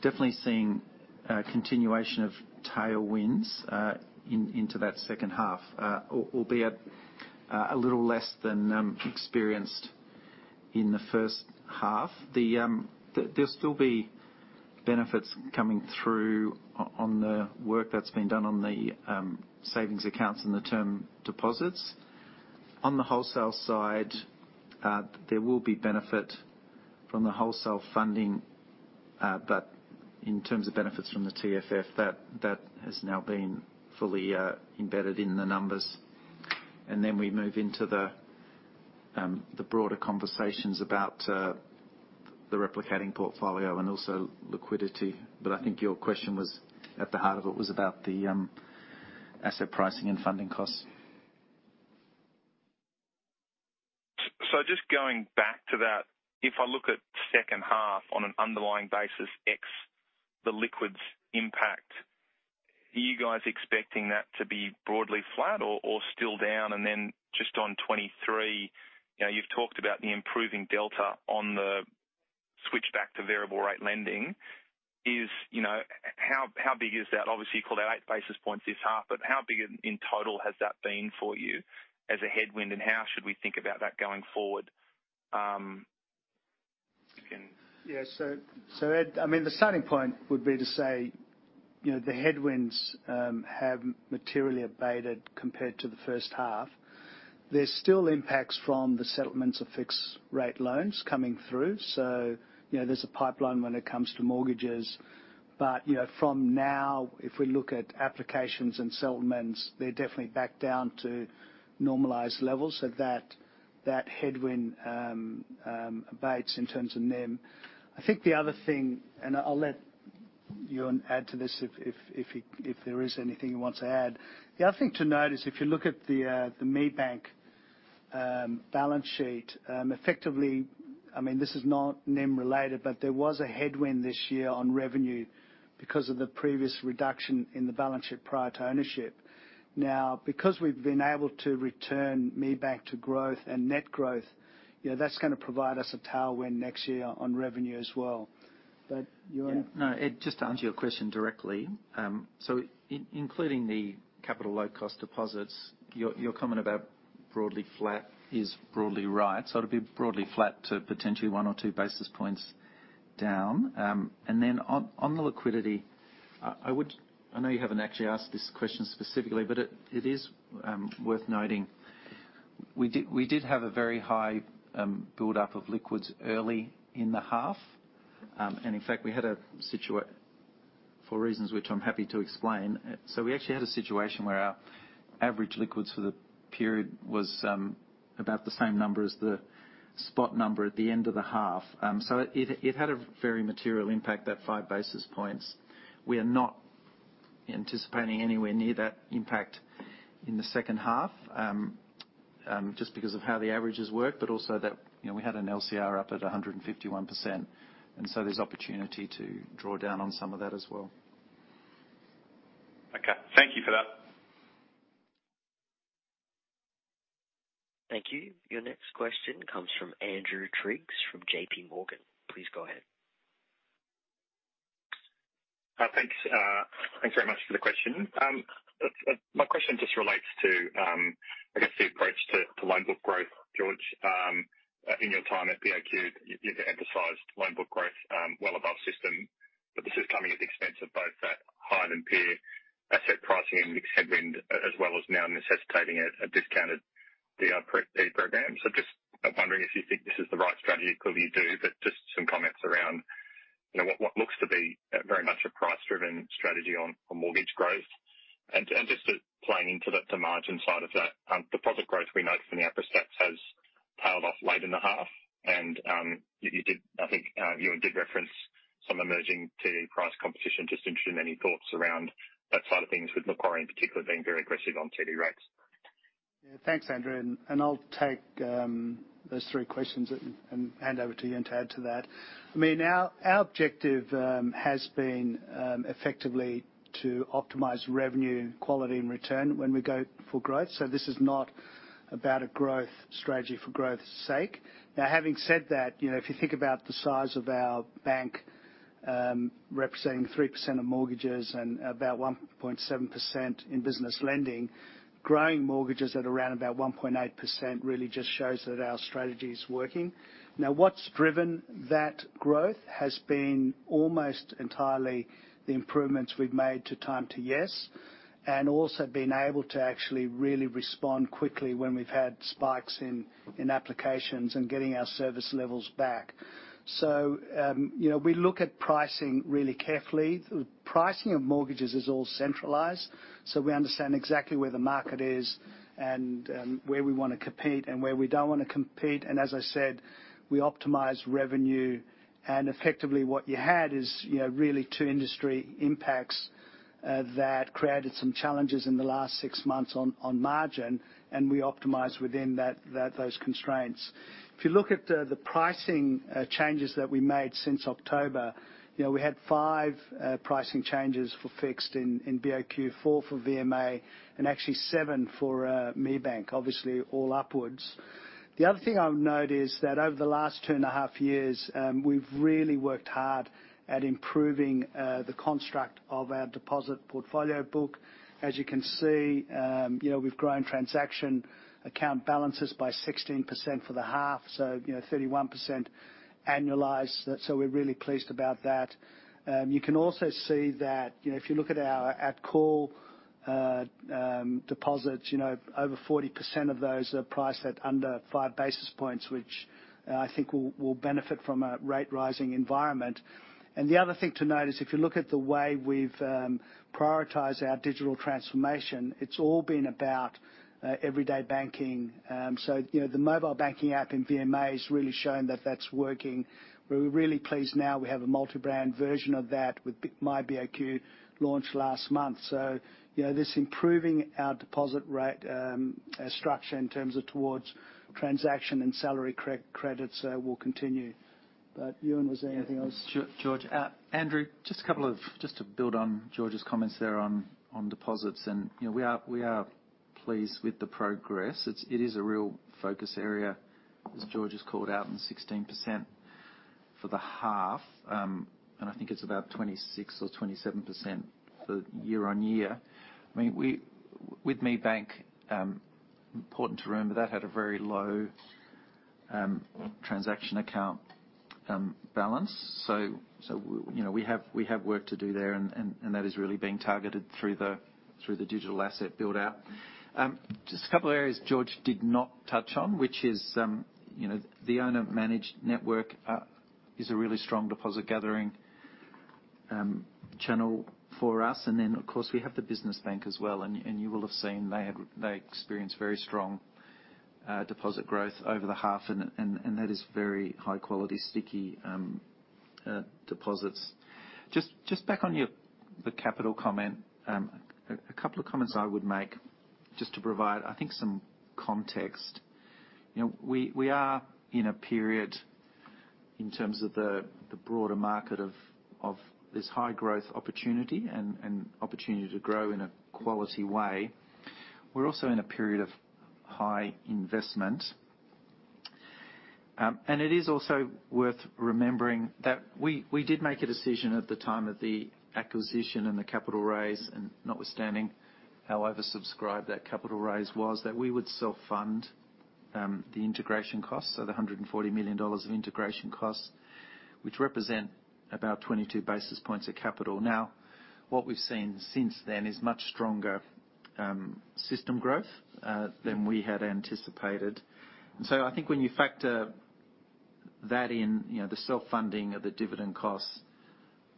definitely seeing a continuation of tailwinds into that second half, albeit a little less than experienced in the first half. There'll still be benefits coming through on the work that's been done on the savings accounts and the term deposits. On the wholesale side, there will be benefit from the wholesale funding, but in terms of benefits from the TFF, that has now been fully embedded in the numbers. We move into the broader conversations about the replicating portfolio and also liquidity. I think your question was at the heart of it, was about the asset pricing and funding costs. Just going back to that, if I look at second half on an underlying basis, ex the liquidity impact, are you guys expecting that to be broadly flat or still down? Just on 2023, you know, you've talked about the improving delta on the switchback to variable rate lending. You know, how big is that? Obviously, you call that eight basis points this half, but how big in total has that been for you as a headwind, and how should we think about that going forward? Ed, I mean, the starting point would be to say, you know, the headwinds have materially abated compared to the first half. There's still impacts from the settlements of fixed-rate loans coming through. You know, there's a pipeline when it comes to mortgages. You know, from now, if we look at applications and settlements, they're definitely back down to normalized levels. That headwind abates in terms of NIM. I think the other thing, I'll let Ewen add to this if he wants to add. The other thing to note is if you look at the ME Bank balance sheet, effectively, I mean, this is not NIM related, but there was a headwind this year on revenue because of the previous reduction in the balance sheet prior to ownership. Now, because we've been able to return ME Bank to growth and net growth, you know, that's gonna provide us a tailwind next year on revenue as well. Ewen. No, Ed, just to answer your question directly. Including the capital, low-cost deposits, your comment about broadly flat is broadly right. It'll be broadly flat to potentially one or two basis points down. On the liquidity, I would. I know you haven't actually asked this question specifically, but it is worth noting. We did have a very high build-up of liquidity early in the half. In fact, we had a situation for reasons which I'm happy to explain. We actually had a situation where our average liquids for the period was about the same number as the spot number at the end of the half. It had a very material impact, that five basis points. We are not anticipating anywhere near that impact in the second half, just because of how the averages work, but also that, you know, we had an LCR up at 151%, and so there's opportunity to draw down on some of that as well. Okay. Thank you for that. Thank you. Your next question comes from Andrew Triggs from JPMorgan. Please go ahead. Thanks very much for the question. My question just relates to, I guess, the approach to loan book growth. George, in your time at BOQ, you've emphasized loan book growth well above system, but this is coming at the expense of both that height and peer asset pricing and margin headwind as well as now necessitating a discounted DRP program. Just wondering if you think this is the right strategy. Clearly you do, but just some comments around, you know, what looks to be very much a price-driven strategy on mortgage growth. Just playing into the margin side of that, deposit growth we note from the APRA stats has tailed off late in the half. You did, I think, reference some emerging TD price competition. Just interested in any thoughts around that side of things, with Macquarie in particular being very aggressive on TD rates. Yeah, thanks, Andrew. I'll take those three questions and hand over to you and to add to that. I mean, our objective has been effectively to optimize revenue, quality and return when we go for growth. This is not about a growth strategy for growth's sake. Now, having said that, you know, if you think about the size of our bank, representing 3% of mortgages and about 1.7% in business lending, growing mortgages at around about 1.8% really just shows that our strategy is working. Now, what's driven that growth has been almost entirely the improvements we've made to time to yes, and also being able to actually really respond quickly when we've had spikes in applications and getting our service levels back. You know, we look at pricing really carefully. Pricing of mortgages is all centralized, so we understand exactly where the market is and where we wanna compete and where we don't wanna compete. As I said, we optimize revenue. Effectively what you had is, you know, really two industry impacts that created some challenges in the last six months on margin, and we optimize within those constraints. If you look at the pricing changes that we made since October, you know, we had five pricing changes for fixed in BOQ, four for VMA and actually seven for ME Bank, obviously all upwards. The other thing I would note is that over the last 2.5 years, we've really worked hard at improving the construct of our deposit portfolio book. As you can see, you know, we've grown transaction account balances by 16% for the half, so, you know, 31% annualized. We're really pleased about that. You can also see that, you know, if you look at our at-call deposits, you know, over 40% of those are priced at under five basis points, which I think will benefit from a rising rate environment. The other thing to note is if you look at the way we've prioritized our digital transformation, it's all been about everyday banking. You know, the mobile banking app in VMA is really showing that that's working. We're really pleased. Now we have a multi-brand version of that with the myBOQ launch last month. You know, this improving our deposit rate structure in terms of towards transaction and salary credits will continue. Ewen, was there anything else? George, Andrew, just to build on George's comments there on deposits and, you know, we are pleased with the progress. It is a real focus area, as George has called out, 16% for the half, and I think it's about 26% or 27% year-on-year. I mean, with ME Bank, important to remember that had a very low transaction account balance. So, you know, we have work to do there, and that is really being targeted through the digital asset build-out. Just a couple areas George did not touch on, which is, you know, the owner-managed network is a really strong deposit gathering channel for us. Then, of course, we have the business bank as well, and you will have seen they experienced very strong deposit growth over the half, and that is very high-quality, sticky deposits. Just back on the capital comment, a couple of comments I would make just to provide, I think, some context. You know, we are in a period in terms of the broader market of this high growth opportunity and opportunity to grow in a quality way. We're also in a period of high investment. It is also worth remembering that we did make a decision at the time of the acquisition and the capital raise, and notwithstanding how oversubscribed that capital raise was, that we would self-fund the integration costs. 140 million dollars of integration costs, which represent about 22 basis points of capital. Now, what we've seen since then is much stronger system growth than we had anticipated. I think when you factor that in, you know, the self-funding of the dividend costs,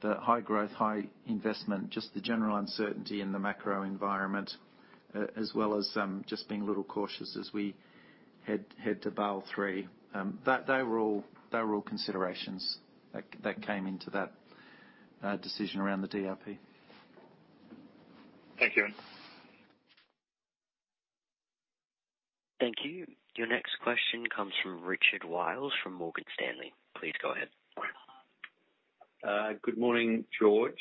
the high growth, high investment, just the general uncertainty in the macro environment, as well as just being a little cautious as we head to Basel III, they were all considerations that came into that decision around the DRP. Thank you. Thank you. Your next question comes from Richard Wiles from Morgan Stanley. Please go ahead. Good morning, George.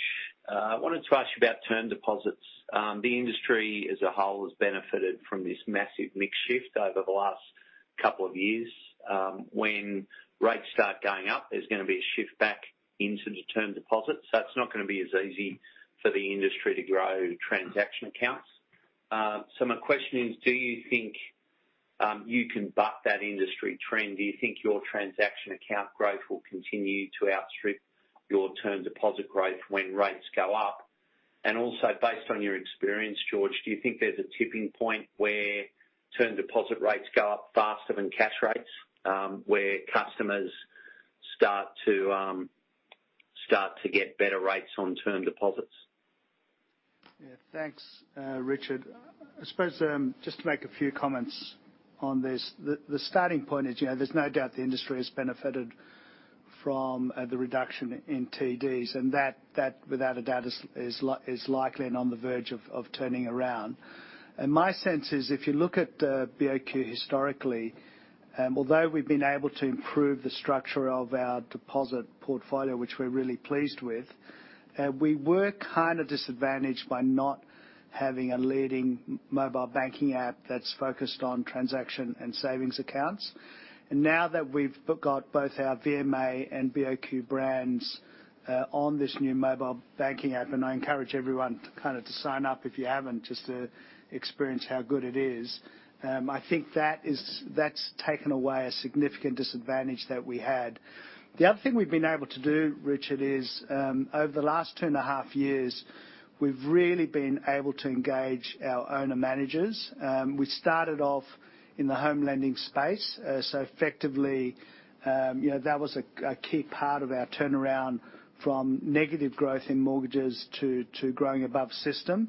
I wanted to ask you about term deposits. The industry as a whole has benefited from this massive mix shift over the last couple of years. When rates start going up, there's gonna be a shift back into the term deposits, so it's not gonna be as easy for the industry to grow transaction accounts. So my question is, do you think you can buck that industry trend? Do you think your transaction account growth will continue to outstrip your term deposit growth when rates go up? Also, based on your experience, George, do you think there's a tipping point where term deposit rates go up faster than cash rates, where customers start to get better rates on term deposits? Yeah. Thanks, Richard. I suppose just to make a few comments on this, the starting point is, you know, there's no doubt the industry has benefited from the reduction in TDs, and that without a doubt is likely and on the verge of turning around. My sense is if you look at BOQ historically, although we've been able to improve the structure of our deposit portfolio, which we're really pleased with, we were kind of disadvantaged by not having a leading mobile banking app that's focused on transaction and savings accounts. Now that we've got both our VMA and BOQ brands on this new mobile banking app, I encourage everyone to kind of to sign up if you haven't, just to experience how good it is. I think that's taken away a significant disadvantage that we had. The other thing we've been able to do, Richard Wiles, is over the last 2.5 years, we've really been able to engage our owner managers. We started off in the home lending space. Effectively, you know, that was a key part of our turnaround from negative growth in mortgages to growing above system.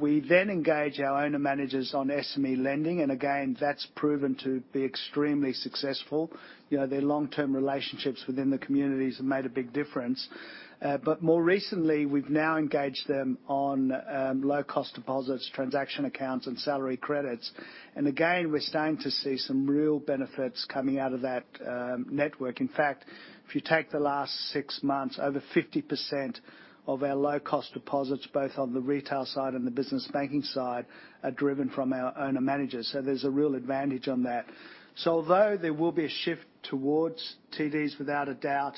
We then engaged our owner managers on SME lending, and again, that's proven to be extremely successful. You know, their long-term relationships within the communities have made a big difference. More recently, we've now engaged them on low-cost deposits, transaction accounts, and salary credits. Again, we're starting to see some real benefits coming out of that network. In fact, if you take the last six months, over 50% of our low-cost deposits, both on the retail side and the business banking side, are driven from our owner managers. There's a real advantage on that. Although there will be a shift towards TDs, without a doubt,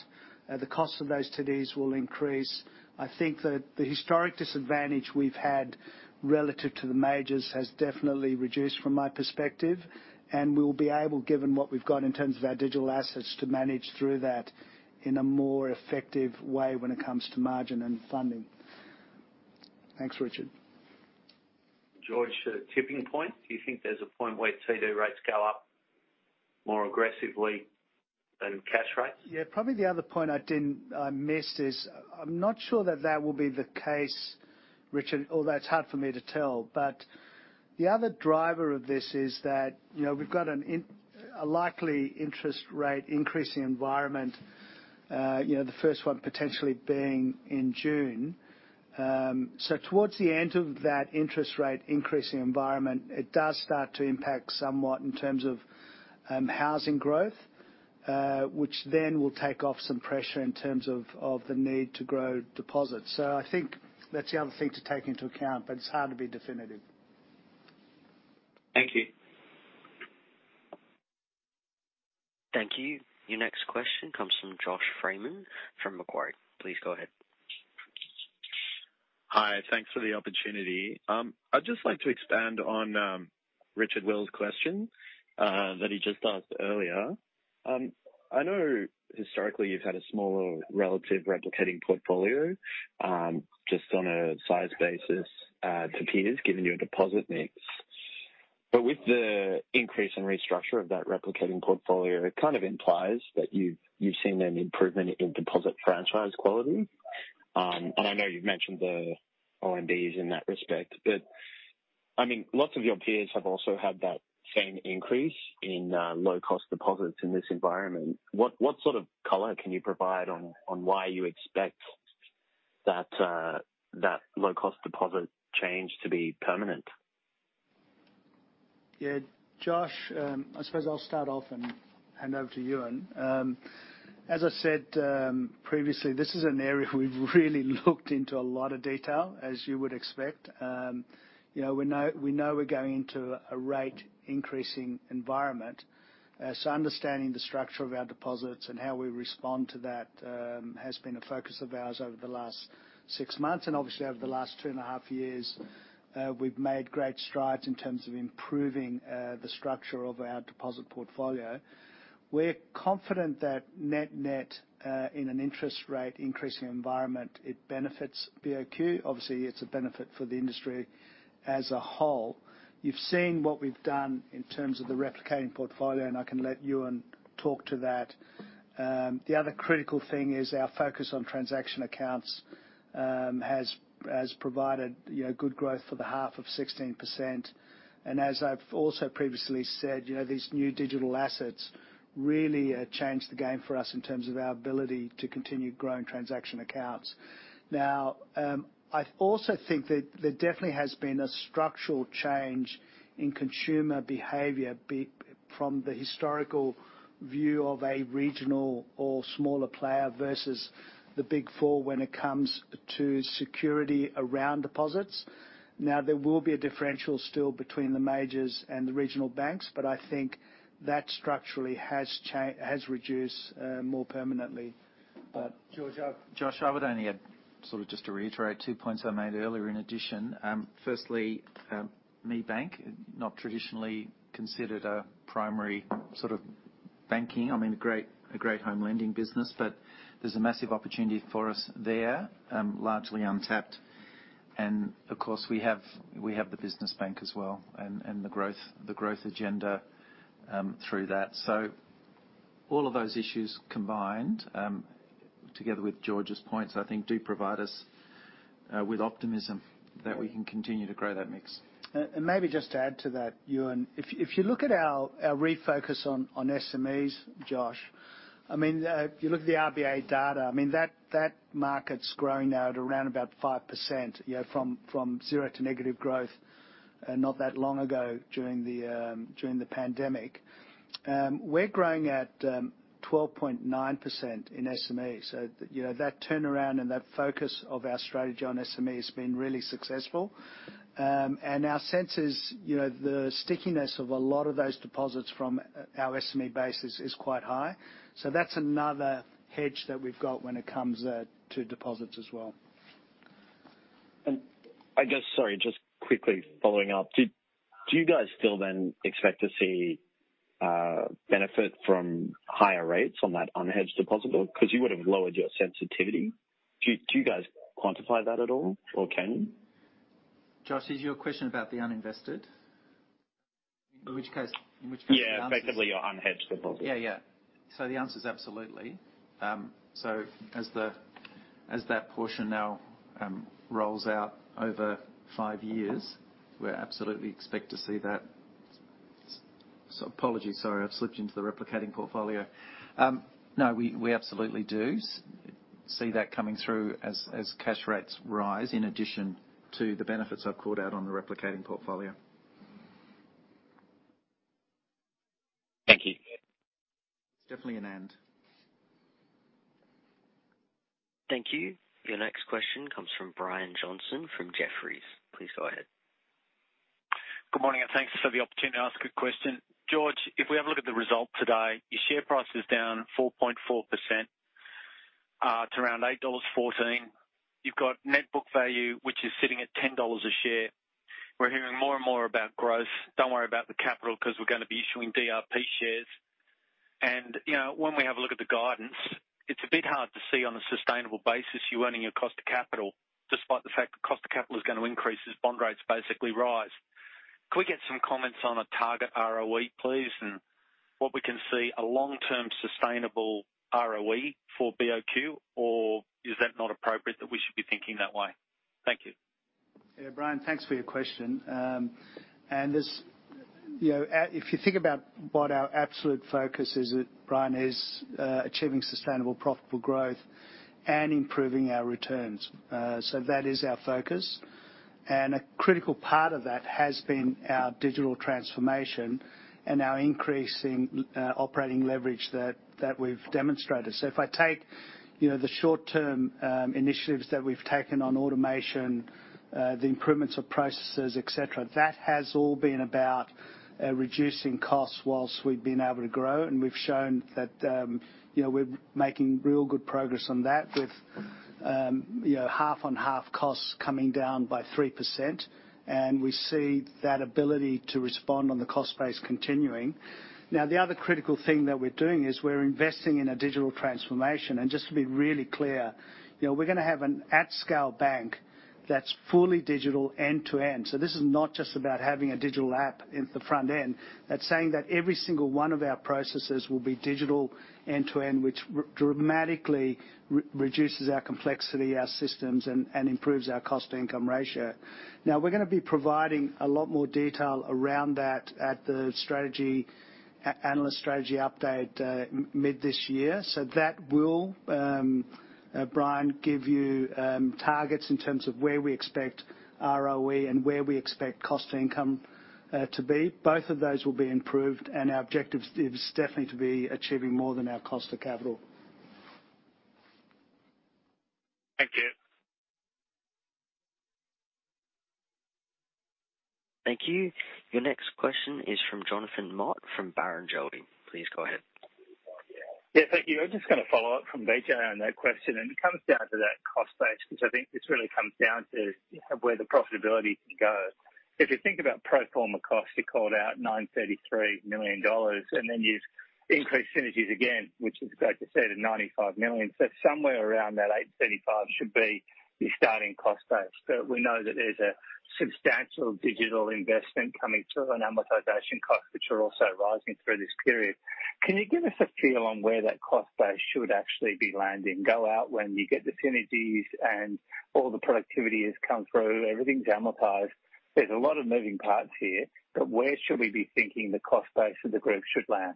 the cost of those TDs will increase. I think the historic disadvantage we've had relative to the majors has definitely reduced from my perspective. We'll be able, given what we've got in terms of our digital assets, to manage through that in a more effective way when it comes to margin and funding. Thanks, Richard. George, tipping point. Do you think there's a point where TD rates go up more aggressively than cash rates? Yeah, probably the other point I didn't miss is I'm not sure that will be the case, Richard, although it's hard for me to tell. The other driver of this is that, you know, we've got a likely interest rate increasing environment, the first one potentially being in June. Towards the end of that interest rate increasing environment, it does start to impact somewhat in terms of housing growth, which then will take off some pressure in terms of the need to grow deposits. I think that's the other thing to take into account, but it's hard to be definitive. Thank you. Thank you. Your next question comes from Josh Freeman from Macquarie. Please go ahead. Hi. Thanks for the opportunity. I'd just like to expand on Richard Wiles's question that he just asked earlier. I know historically you've had a smaller relative replicating portfolio just on a size basis to peers, given your deposit mix. With the increase in restructure of that replicating portfolio, it kind of implies that you've seen an improvement in deposit franchise quality. I know you've mentioned the OMBs in that respect, but I mean, lots of your peers have also had that same increase in low-cost deposits in this environment. What sort of color can you provide on why you expect that low-cost deposit change to be permanent? Yeah. Josh, I suppose I'll start off and hand over to Ewen. As I said previously, this is an area we've really looked into a lot of detail, as you would expect. You know, we know we're going into a rate-increasing environment. So understanding the structure of our deposits and how we respond to that has been a focus of ours over the last six months. Obviously, over the last two and a half years, we've made great strides in terms of improving the structure of our deposit portfolio. We're confident that net net, in an interest rate increasing environment, it benefits BOQ. Obviously, it's a benefit for the industry as a whole. You've seen what we've done in terms of the replicating portfolio, and I can let Ewen talk to that. The other critical thing is our focus on transaction accounts has provided, you know, good growth for the half of 16%. As I've also previously said, you know, these new digital assets really changed the game for us in terms of our ability to continue growing transaction accounts. Now, I also think that there definitely has been a structural change in consumer behavior from the historical view of a regional or smaller player versus the big four when it comes to security around deposits. Now, there will be a differential still between the majors and the regional banks, but I think that structurally has reduced more permanently. George, Josh, I would only add, sort of just to reiterate two points I made earlier in addition. Firstly, ME Bank, not traditionally considered a primary sort of banking. I mean, a great home lending business, but there's a massive opportunity for us there, largely untapped. Of course, we have the business bank as well and the growth agenda through that. So all of those issues combined, together with George's points, I think do provide us with optimism that we can continue to grow that mix. Maybe just to add to that, Ewen, if you look at our refocus on SMEs, Josh, I mean, if you look at the RBA data, I mean, that market's growing now at around 5%, you know, from zero to negative growth, not that long ago during the pandemic. We're growing at 12.9% in SME. You know, that turnaround and that focus of our strategy on SME has been really successful. Our sense is, you know, the stickiness of a lot of those deposits from our SME base is quite high. That's another hedge that we've got when it comes to deposits as well. I guess, sorry, just quickly following up. Do you guys still then expect to see benefit from higher rates on that unhedged deposit book? 'Cause you would've lowered your sensitivity. Do you guys quantify that at all or can you? Josh, is your question about the uninvested? In which case, the answer is. Yeah, effectively, your unhedged book. Yeah. Yeah. The answer is absolutely. As that portion now rolls out over five years, we absolutely expect to see that. Apologies, sorry, I've slipped into the replicating portfolio. No, we absolutely do see that coming through as cash rates rise in addition to the benefits I've called out on the replicating portfolio. Thank you. It's definitely an end. Thank you. Your next question comes from Brian Johnson from Jefferies. Please go ahead. Good morning, and thanks for the opportunity to ask a question. George, if we have a look at the result today, your share price is down 4.4% to around 8.14 dollars. You've got net book value, which is sitting at 10 dollars a share. We're hearing more and more about growth. Don't worry about the capital, 'cause we're gonna be issuing DRP shares. You know, when we have a look at the guidance, it's a bit hard to see on a sustainable basis you earning your cost of capital, despite the fact the cost of capital is gonna increase as bond rates basically rise. Could we get some comments on a target ROE, please, and what we can see a long-term sustainable ROE for BOQ or is that not appropriate that we should be thinking that way? Thank you. Yeah, Brian, thanks for your question. As you know, if you think about what our absolute focus is, Brian, is achieving sustainable profitable growth and improving our returns. That is our focus. A critical part of that has been our digital transformation and our increasing operating leverage that we've demonstrated. If I take you know the short-term initiatives that we've taken on automation the improvements of processes, et cetera, that has all been about reducing costs while we've been able to grow. We've shown that you know we're making real good progress on that with you know half on half costs coming down by 3%. We see that ability to respond on the cost base continuing. Now, the other critical thing that we're doing is we're investing in a digital transformation. Just to be really clear, you know, we're gonna have an at-scale bank that's fully digital end-to-end. This is not just about having a digital app in the front end. That's saying that every single one of our processes will be digital end-to-end, which dramatically reduces our complexity, our systems, and improves our cost-to-income ratio. Now, we're gonna be providing a lot more detail around that at the strategy analyst strategy update mid this year. That will, Brian, give you targets in terms of where we expect ROE and where we expect cost-to-income to be. Both of those will be improved, and our objective is definitely to be achieving more than our cost of capital. Thank you. Thank you. Your next question is from Jonathan Mott from Barrenjoey. Please go ahead. Yeah, thank you. I'm just gonna follow up from BJ on that question, and it comes down to that cost base, because I think this really comes down to where the profitability can go. If you think about pro forma costs, you called out 933 million dollars, and then you've increased synergies again, which is, like you said, 95 million. Somewhere around that 835 should be your starting cost base. We know that there's a substantial digital investment coming through and amortization costs, which are also rising through this period. Can you give us a feel on where that cost base should actually be landing? Go out when you get the synergies and all the productivity has come through, everything's amortized. There's a lot of moving parts here, where should we be thinking the cost base of the group should land?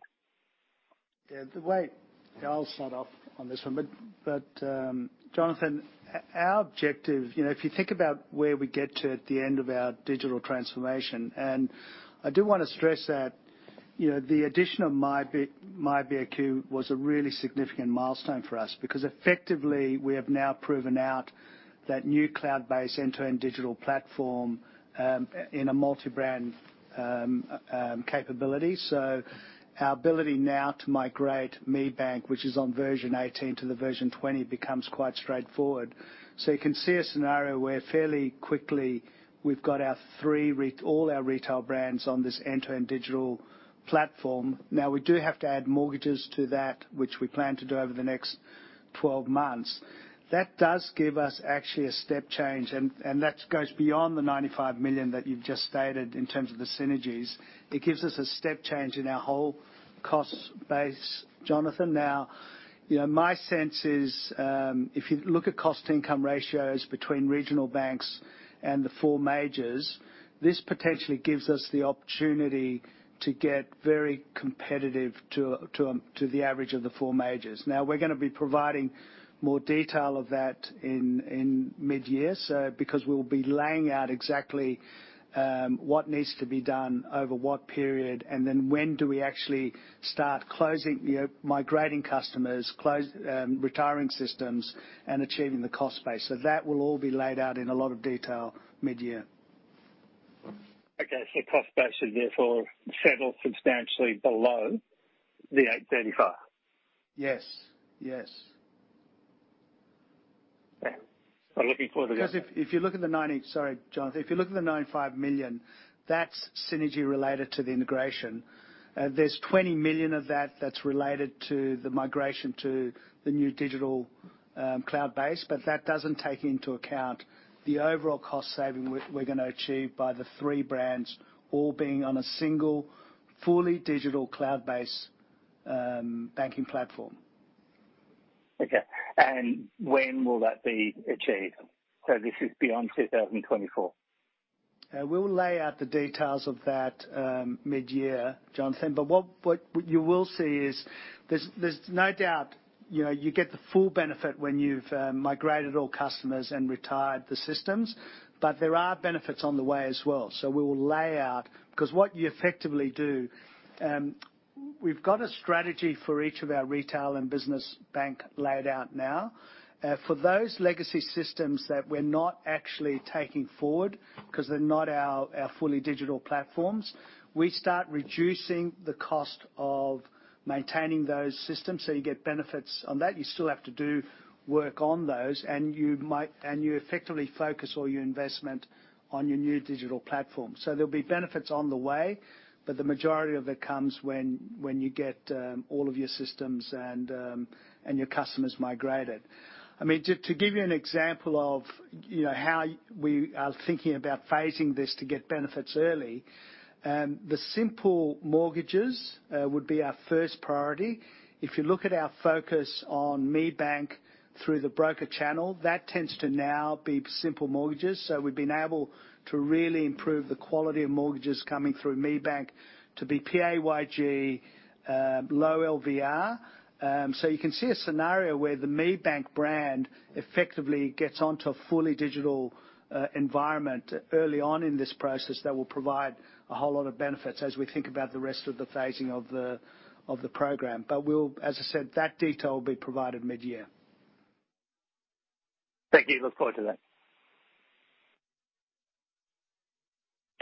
I'll start off on this one. Jonathan, our objective, you know, if you think about where we get to at the end of our digital transformation, and I do wanna stress that, you know, the addition of myBOQ was a really significant milestone for us because effectively, we have now proven out that new cloud-based end-to-end digital platform in a multi-brand capability. Our ability now to migrate ME Bank, which is on version 18 to the version 20, becomes quite straightforward. You can see a scenario where fairly quickly we've got all our retail brands on this end-to-end digital platform. Now, we do have to add mortgages to that, which we plan to do over the next 12 months. That does give us actually a step change, and that goes beyond the 95 million that you've just stated in terms of the synergies. It gives us a step change in our whole cost base, Jonathan. Now, you know, my sense is, if you look at cost-income ratios between regional banks and the four majors, this potentially gives us the opportunity to get very competitive to the average of the four majors. Now, we're gonna be providing more detail of that in mid-year, because we'll be laying out exactly what needs to be done over what period, and then when do we actually start closing, you know, migrating customers, retiring systems, and achieving the cost base. That will all be laid out in a lot of detail mid-year. Okay, cost base should therefore settle substantially below 835. Yes. Yes. I'm looking forward to that. Sorry, Jonathan. If you look at the 95 million, that's synergy related to the integration. There's 20 million of that that's related to the migration to the new digital cloud-based, but that doesn't take into account the overall cost saving we're gonna achieve by the three brands all being on a single, fully digital cloud-based banking platform. Okay. When will that be achieved? This is beyond 2024? We'll lay out the details of that, mid-year, Jonathan, but what you will see is there's no doubt, you know, you get the full benefit when you've migrated all customers and retired the systems. There are benefits on the way as well. We will lay out 'cause what you effectively do, we've got a strategy for each of our retail and business bank laid out now. For those legacy systems that we're not actually taking forward, 'cause they're not our fully digital platforms, we start reducing the cost of maintaining those systems, so you get benefits on that. You still have to do work on those, and you effectively focus all your investment on your new digital platform. There'll be benefits on the way, but the majority of it comes when you get all of your systems and your customers migrated. I mean, to give you an example of, you know, how we are thinking about phasing this to get benefits early, the simple mortgages would be our first priority. If you look at our focus on ME Bank through the broker channel, that tends to now be simple mortgages. We've been able to really improve the quality of mortgages coming through ME Bank to be PAYG, low LVR. You can see a scenario where the ME Bank brand effectively gets onto a fully digital environment early on in this process that will provide a whole lot of benefits as we think about the rest of the phasing of the program. We'll, as I said, that detail will be provided midyear. Thank you. Look forward to that.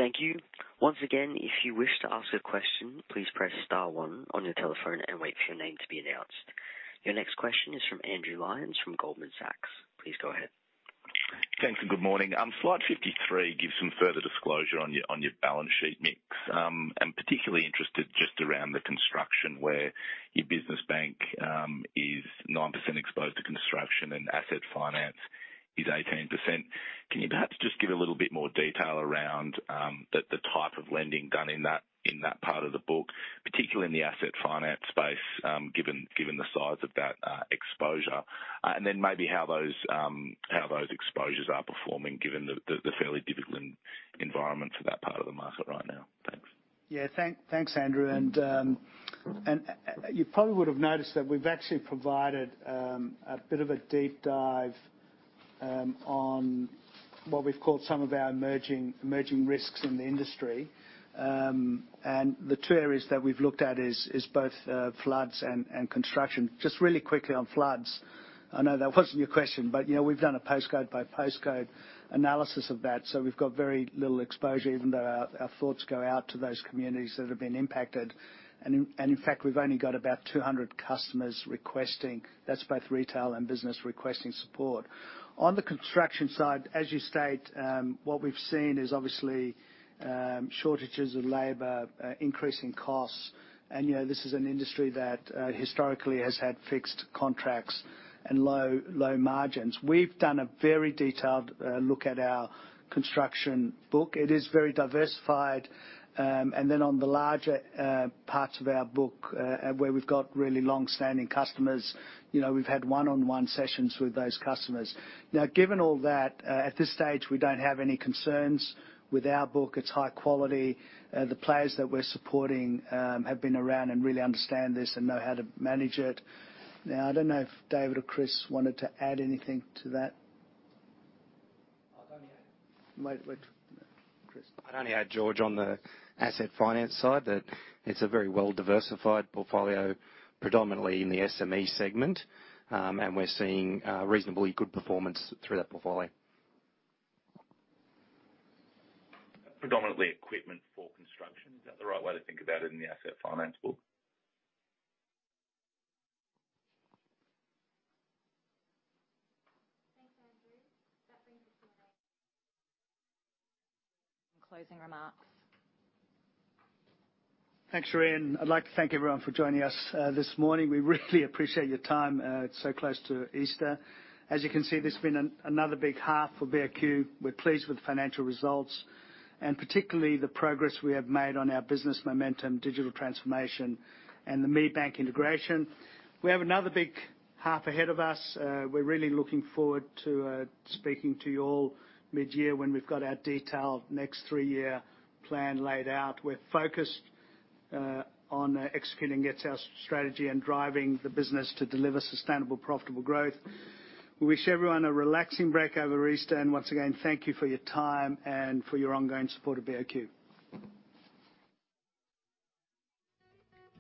Thank you. Once again, if you wish to ask a question, please press star one on your telephone and wait for your name to be announced. Your next question is from Andrew Lyons from Goldman Sachs. Please go ahead. Thanks, good morning. Slide 53 gives some further disclosure on your balance sheet mix. I'm particularly interested just around the construction where your business bank is 9% exposed to construction and asset finance is 18%. Can you perhaps just give a little bit more detail around the type of lending done in that part of the book, particularly in the asset finance space, given the size of that exposure? And then maybe how those exposures are performing given the fairly difficult environment for that part of the market right now. Thanks. Thanks, Andrew. You probably would have noticed that we've actually provided a bit of a deep dive on what we've called some of our emerging risks in the industry. The two areas that we've looked at is both floods and construction. Just really quickly on floods, I know that wasn't your question, but you know, we've done a postcode by postcode analysis of that, so we've got very little exposure, even though our thoughts go out to those communities that have been impacted. In fact, we've only got about 200 customers requesting, that's both retail and business, requesting support. On the construction side, as you state, what we've seen is obviously shortages of labor, increasing costs. You know, this is an industry that historically has had fixed contracts and low margins. We've done a very detailed look at our construction book. It is very diversified. On the larger parts of our book, where we've got really long-standing customers, you know, we've had one-on-one sessions with those customers. Now, given all that, at this stage, we don't have any concerns with our book. It's high quality. The players that we're supporting have been around and really understand this and know how to manage it. Now, I don't know if David or Chris wanted to add anything to that. Wait, wait. Chris. I'd only add, George, on the asset finance side, that it's a very well-diversified portfolio, predominantly in the SME segment. We're seeing reasonably good performance through that portfolio. Predominantly equipment for construction. Is that the right way to think about it in the asset finance book? Thanks, Andrew. That brings us to our closing remarks. Thanks, Cherie. I'd like to thank everyone for joining us this morning. We really appreciate your time. It's so close to Easter. As you can see, this has been another big half for BOQ. We're pleased with the financial results, and particularly the progress we have made on our business momentum, digital transformation, and the ME Bank integration. We have another big half ahead of us. We're really looking forward to speaking to you all mid-year when we've got our detailed next three-year plan laid out. We're focused on executing against our strategy and driving the business to deliver sustainable, profitable growth. We wish everyone a relaxing break over Easter. Once again, thank you for your time and for your ongoing support of BOQ.